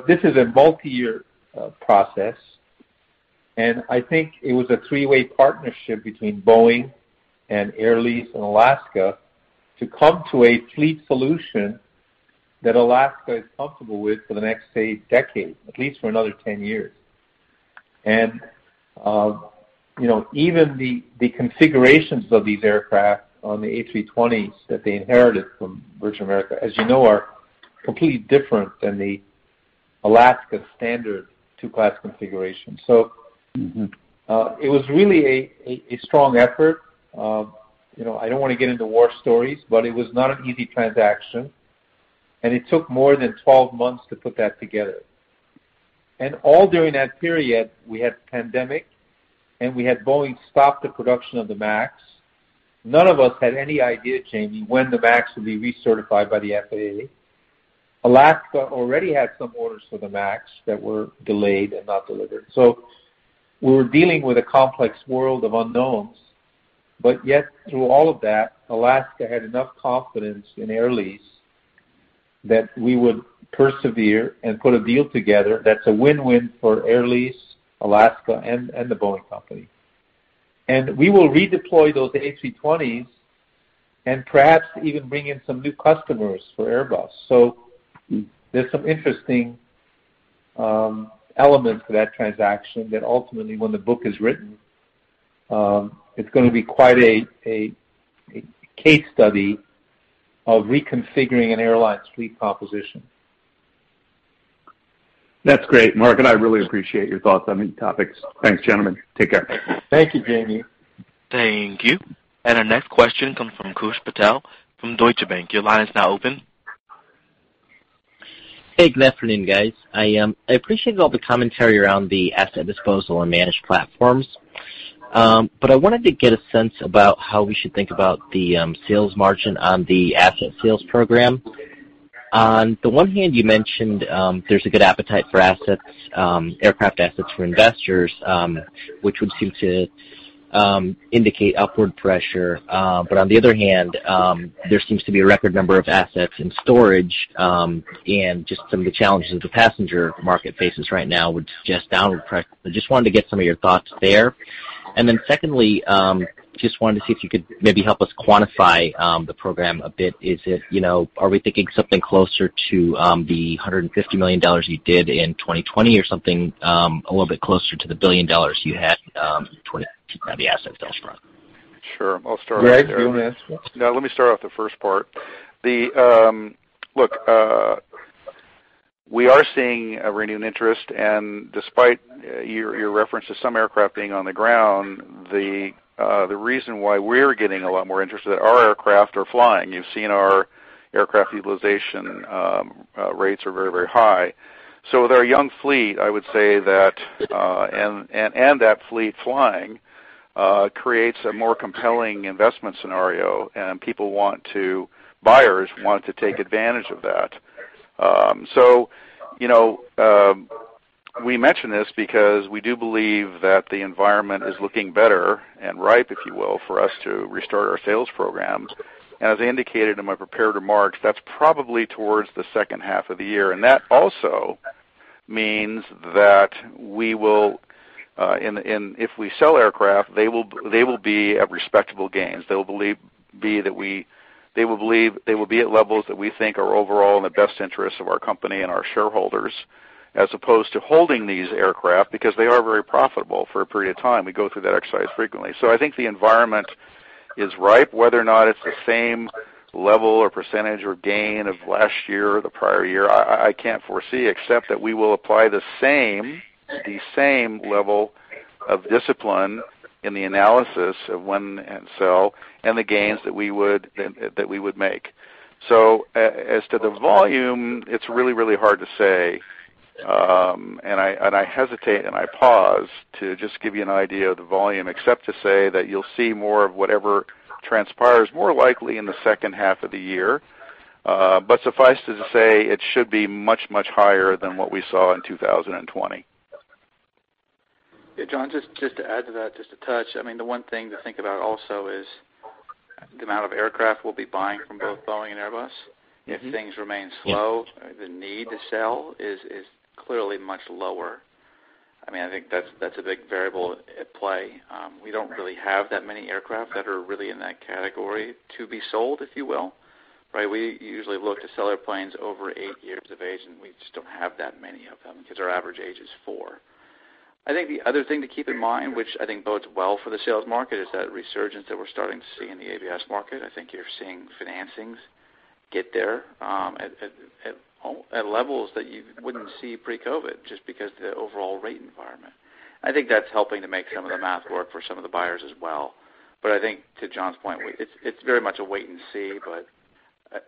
This is a multi-year process. I think it was a three-way partnership between Boeing and Air Lease in Alaska to come to a fleet solution that Alaska is comfortable with for the next, say, decade, at least for another 10 years. And even the configurations of these aircraft on the A320s that they inherited from Virgin America, as you know, are completely different than the Alaska standard two-class configuration. So it was really a strong effort. I don't want to get into war stories, but it was not an easy transaction. And it took more than 12 months to put that together. And all during that period, we had the pandemic, and we had Boeing stop the production of the MAX. None of us had any idea, Jamie, when the MAX would be recertified by the FAA. Alaska already had some orders for the MAX that were delayed and not delivered. So we were dealing with a complex world of unknowns. But yet, through all of that, Alaska had enough confidence in Air Lease that we would persevere and put a deal together that's a win-win for Air Lease, Alaska, and the Boeing Company. And we will redeploy those A320s and perhaps even bring in some new customers for Airbus. So there's some interesting elements to that transaction that ultimately, when the book is written, it's going to be quite a case study of reconfiguring an airline's fleet composition. That's great. Mark and I really appreciate your thoughts on these topics. Thanks, gentlemen. Take care. Thank you, Jamie. Thank you. And our next question comes from Koosh Patel from Deutsche Bank. Your line is now open. Hey, good afternoon, guys. I appreciate all the commentary around the asset disposal and managed platforms. But I wanted to get a sense about how we should think about the sales margin on the asset sales program. On the one hand, you mentioned there's a good appetite for aircraft assets for investors, which would seem to indicate upward pressure. But on the other hand, there seems to be a record number of assets in storage. And just some of the challenges the passenger market faces right now would suggest downward pressure. I just wanted to get some of your thoughts there. And then secondly, just wanted to see if you could maybe help us quantify the program a bit. Are we thinking something closer to the $150 million you did in 2020 or something a little bit closer to the $1 billion you had in the asset sales program? Sure. I'll start off with. Yeah, you want to ask? No, let me start off the first part. Look, we are seeing a renewed interest, and despite your reference to some aircraft being on the ground, the reason why we're getting a lot more interest is that our aircraft are flying. You've seen our aircraft utilization rates are very, very high, so with our young fleet, I would say that and that fleet flying creates a more compelling investment scenario, and buyers want to take advantage of that, so we mention this because we do believe that the environment is looking better and ripe, if you will, for us to restart our sales programs, and as I indicated in my prepared remarks, that's probably towards the second half of the year, and that also means that we will, if we sell aircraft, they will be at respectable gains. They will believe that we will be at levels that we think are overall in the best interests of our company and our shareholders, as opposed to holding these aircraft because they are very profitable for a period of time. We go through that exercise frequently, so I think the environment is ripe. Whether or not it's the same level or percentage or gain of last year or the prior year, I can't foresee, except that we will apply the same level of discipline in the analysis of when to sell and the gains that we would make, so as to the volume, it's really, really hard to say, and I hesitate and I pause to just give you an idea of the volume, except to say that you'll see more of whatever transpires more likely in the second half of the year. But suffice to say, it should be much, much higher than what we saw in 2020. Yeah, John, just to add to that, just to touch, I mean, the one thing to think about also is the amount of aircraft we'll be buying from both Boeing and Airbus. If things remain slow, the need to sell is clearly much lower. I mean, I think that's a big variable at play. We don't really have that many aircraft that are really in that category to be sold, if you will. Right? We usually look to sell airplanes over eight years of age, and we just don't have that many of them because our average age is four. I think the other thing to keep in mind, which I think bodes well for the sales market, is that resurgence that we're starting to see in the ABS market. I think you're seeing financings get there at levels that you wouldn't see pre-COVID just because of the overall rate environment. I think that's helping to make some of the math work for some of the buyers as well. But I think, to John's point, it's very much a wait and see. But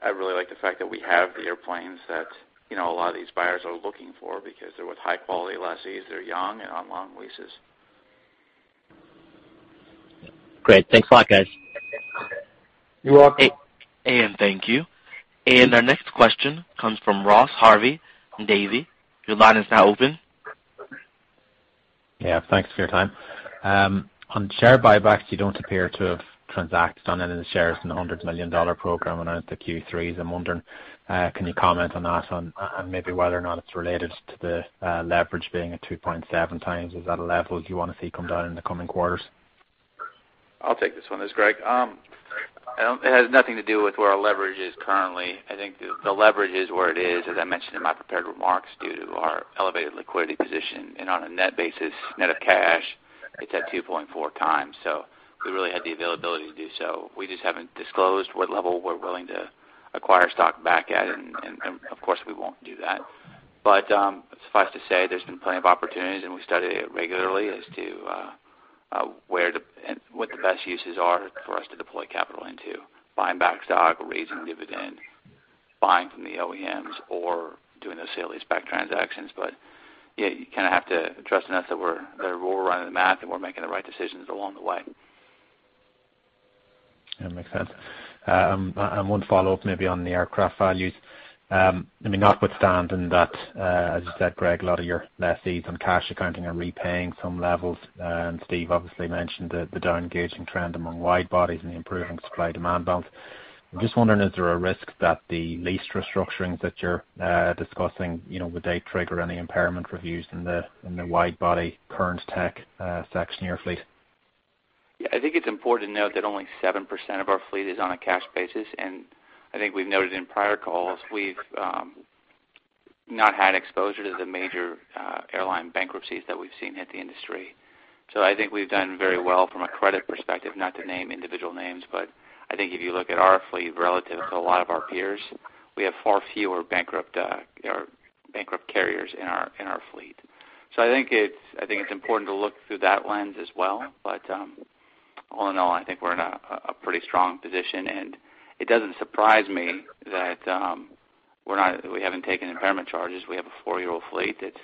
I really like the fact that we have the airplanes that a lot of these buyers are looking for because they're with high-quality lessees. They're young and on long leases. Great. Thanks a lot, guys. You're welcome. them, thank you, and our next question comes from Ross Harvey. Your line is now open. Yeah, thanks for your time. On share buybacks, you don't appear to have transacted on any shares in the $100 million program in Q3. I'm wondering, can you comment on that and maybe whether or not it's related to the leverage being at 2.7x? Is that a level you want to see come down in the coming quarters? I'll take this one, it's Greg. It has nothing to do with where our leverage is currently. I think the leverage is where it is, as I mentioned in my prepared remarks, due to our elevated liquidity position, and on a net basis, net of cash, it's at 2.4 times, so we really had the availability to do so. We just haven't disclosed what level we're willing to acquire stock back at, and of course, we won't do that, but suffice to say, there's been plenty of opportunities, and we study it regularly as to where the best uses are for us to deploy capital into, buying back stock, raising dividend, buying from the OEMs, or doing those sale-leaseback transactions. But yeah, you kind of have to trust in us that we're running the math and we're making the right decisions along the way. Yeah, makes sense, and one follow-up maybe on the aircraft values. I mean, notwithstanding that, as you said, Greg, a lot of your lessees on cash accounting are repaying some levels, and Steve obviously mentioned the downgauging trend among wide bodies and the improving supply-demand balance. I'm just wondering, is there a risk that the lease restructurings that you're discussing would they trigger any impairment reviews in the wide-body current tech section of your fleet? Yeah, I think it's important to note that only 7% of our fleet is on a cash basis. And I think we've noted in prior calls, we've not had exposure to the major airline bankruptcies that we've seen hit the industry. So I think we've done very well from a credit perspective, not to name individual names. But I think if you look at our fleet relative to a lot of our peers, we have far fewer bankrupt carriers in our fleet. So I think it's important to look through that lens as well. But all in all, I think we're in a pretty strong position. And it doesn't surprise me that we haven't taken impairment charges. We have a four-year-old fleet that's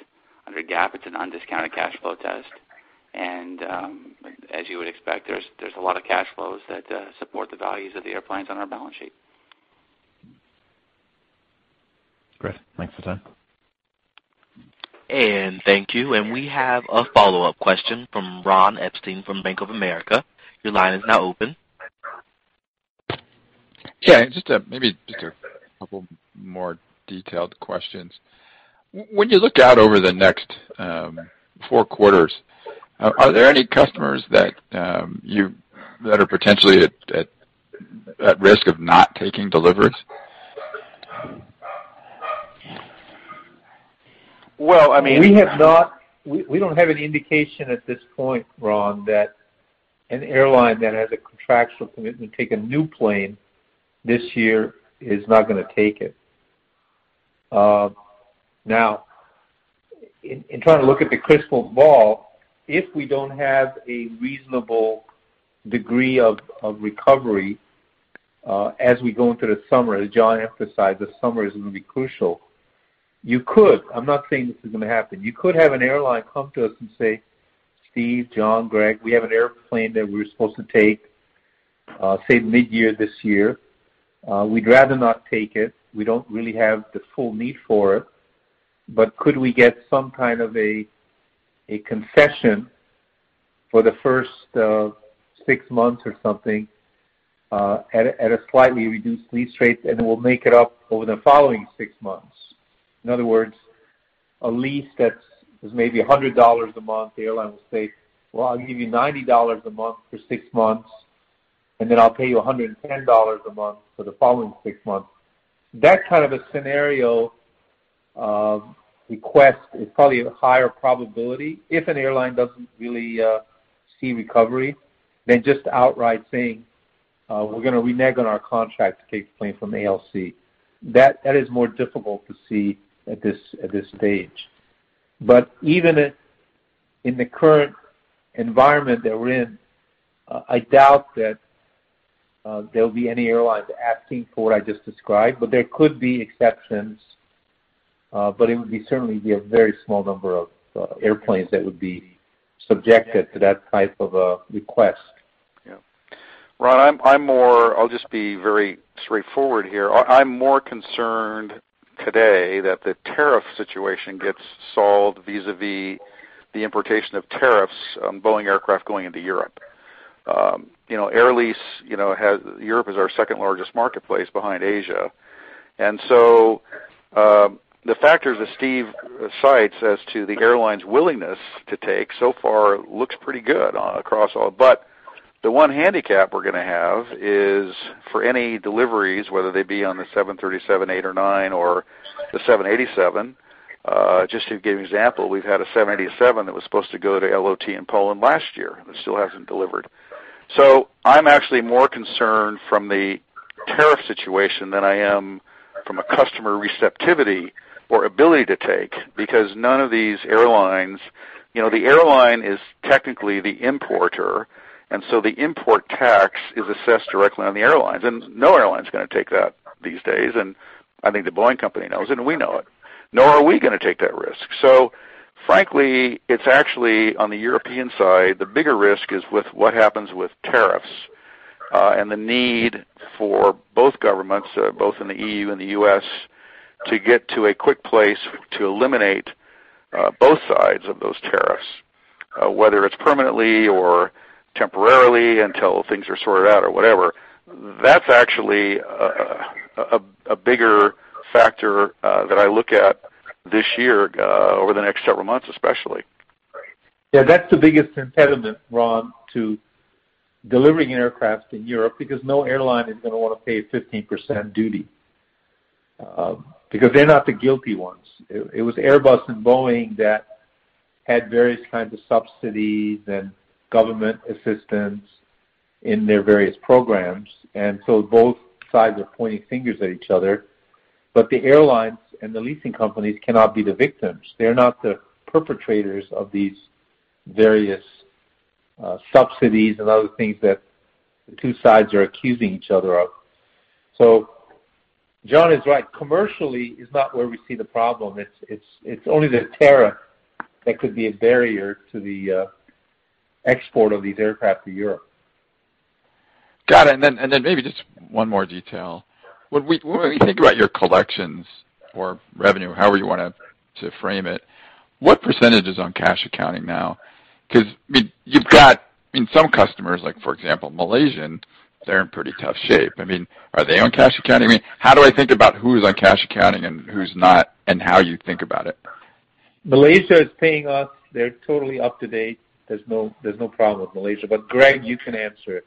under GAAP. It's an undiscounted cash flow test. As you would expect, there's a lot of cash flows that support the values of the airplanes on our balance sheet. Great. Thanks for the time. Thank you. We have a follow-up question from Ron Epstein from Bank of America. Your line is now open. Yeah, just maybe just a couple more detailed questions. When you look out over the next four quarters, are there any customers that are potentially at risk of not taking deliveries? Well, I mean. We have not. We don't have any indication at this point, Ron, that an airline that has a contractual commitment to take a new plane this year is not going to take it. Now, in trying to look at the crystal ball, if we don't have a reasonable degree of recovery as we go into the summer, as John emphasized, the summer is going to be crucial, you could, I'm not saying this is going to happen, you could have an airline come to us and say, "Steve, John, Greg, we have an airplane that we're supposed to take, say, mid-year this year. We'd rather not take it. We don't really have the full need for it. But could we get some kind of a concession for the first six months or something at a slightly reduced lease rate, and we'll make it up over the following six months?" In other words, a lease that's maybe $100 a month, the airline will say, "Well, I'll give you $90 a month for six months, and then I'll pay you $110 a month for the following six months." That kind of a scenario request is probably a higher probability if an airline doesn't really see recovery than just outright saying, "We're going to renege on our contract to take the plane from ALC." That is more difficult to see at this stage. But even in the current environment that we're in, I doubt that there will be any airlines asking for what I just described. But there could be exceptions. But it would certainly be a very small number of airplanes that would be subjected to that type of request. Yeah. Ron, I'll just be very straightforward here. I'm more concerned today that the tariff situation gets solved vis-à-vis the importation of tariffs on Boeing aircraft going into Europe. Air Lease Europe is our second largest marketplace behind Asia. And so the factors that Steve cites as to the airline's willingness to take so far looks pretty good across all. But the one handicap we're going to have is for any deliveries, whether they be on the 737, 737-9, or the 787, just to give you an example. We've had a 787 that was supposed to go to LOT in Poland last year that still hasn't delivered. So I'm actually more concerned from the tariff situation than I am from a customer receptivity or ability to take because none of these airlines, the airline is technically the importer, and so the import tax is assessed directly on the airlines. And no airline's going to take that these days. And I think the Boeing Company knows it, and we know it. Nor are we going to take that risk. So frankly, it's actually on the European side. The bigger risk is with what happens with tariffs and the need for both governments, both in the E.U. and the U.S., to get to a quick place to eliminate both sides of those tariffs, whether it's permanently or temporarily until things are sorted out or whatever. That's actually a bigger factor that I look at this year over the next several months, especially. Yeah, that's the biggest impediment, Ron, to delivering aircraft in Europe because no airline is going to want to pay a 15% duty because they're not the guilty ones. It was Airbus and Boeing that had various kinds of subsidies and government assistance in their various programs, and so both sides are pointing fingers at each other, but the airlines and the leasing companies cannot be the victims. They're not the perpetrators of these various subsidies and other things that the two sides are accusing each other of, so John is right. Commercially, it's not where we see the problem. It's only the tariff that could be a barrier to the export of these aircraft to Europe. Got it, and then maybe just one more detail. When we think about your collections or revenue, however you want to frame it, what percentage is on cash accounting now? Because I mean, you've got, I mean, some customers, like for example, Malaysian, they're in pretty tough shape. I mean, are they on cash accounting? I mean, how do I think about who's on cash accounting and who's not and how you think about it? Malaysia is paying us. They're totally up to date. There's no problem with Malaysia. But Greg, you can answer.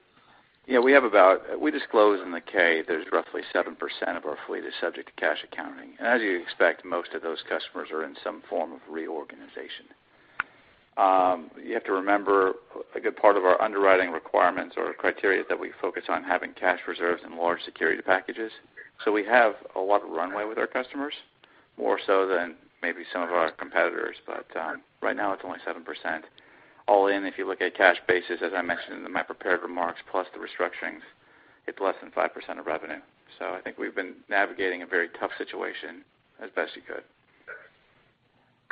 Yeah, we have about, we disclose in the K there's roughly 7% of our fleet is subject to cash accounting. And as you expect, most of those customers are in some form of reorganization. You have to remember a good part of our underwriting requirements or criteria is that we focus on having cash reserves and large security packages. So we have a lot of runway with our customers, more so than maybe some of our competitors. But right now, it's only 7%. All in, if you look at cash basis, as I mentioned in my prepared remarks, plus the restructurings, it's less than 5% of revenue. So I think we've been navigating a very tough situation as best we could.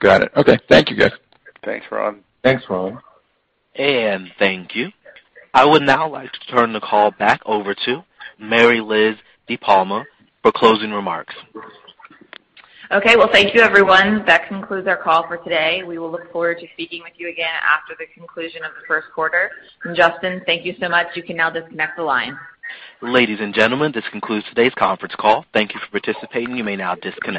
Got it. Okay. Thank you, guys. Thanks, Ron. Thanks, Ron. Thank you. I would now like to turn the call back over to Mary Liz DePalma for closing remarks. Okay. Well, thank you, everyone. That concludes our call for today. We will look forward to speaking with you again after the conclusion of the first quarter. And Justin, thank you so much. You can now disconnect the line. Ladies and gentlemen, this concludes today's conference call. Thank you for participating. You may now disconnect.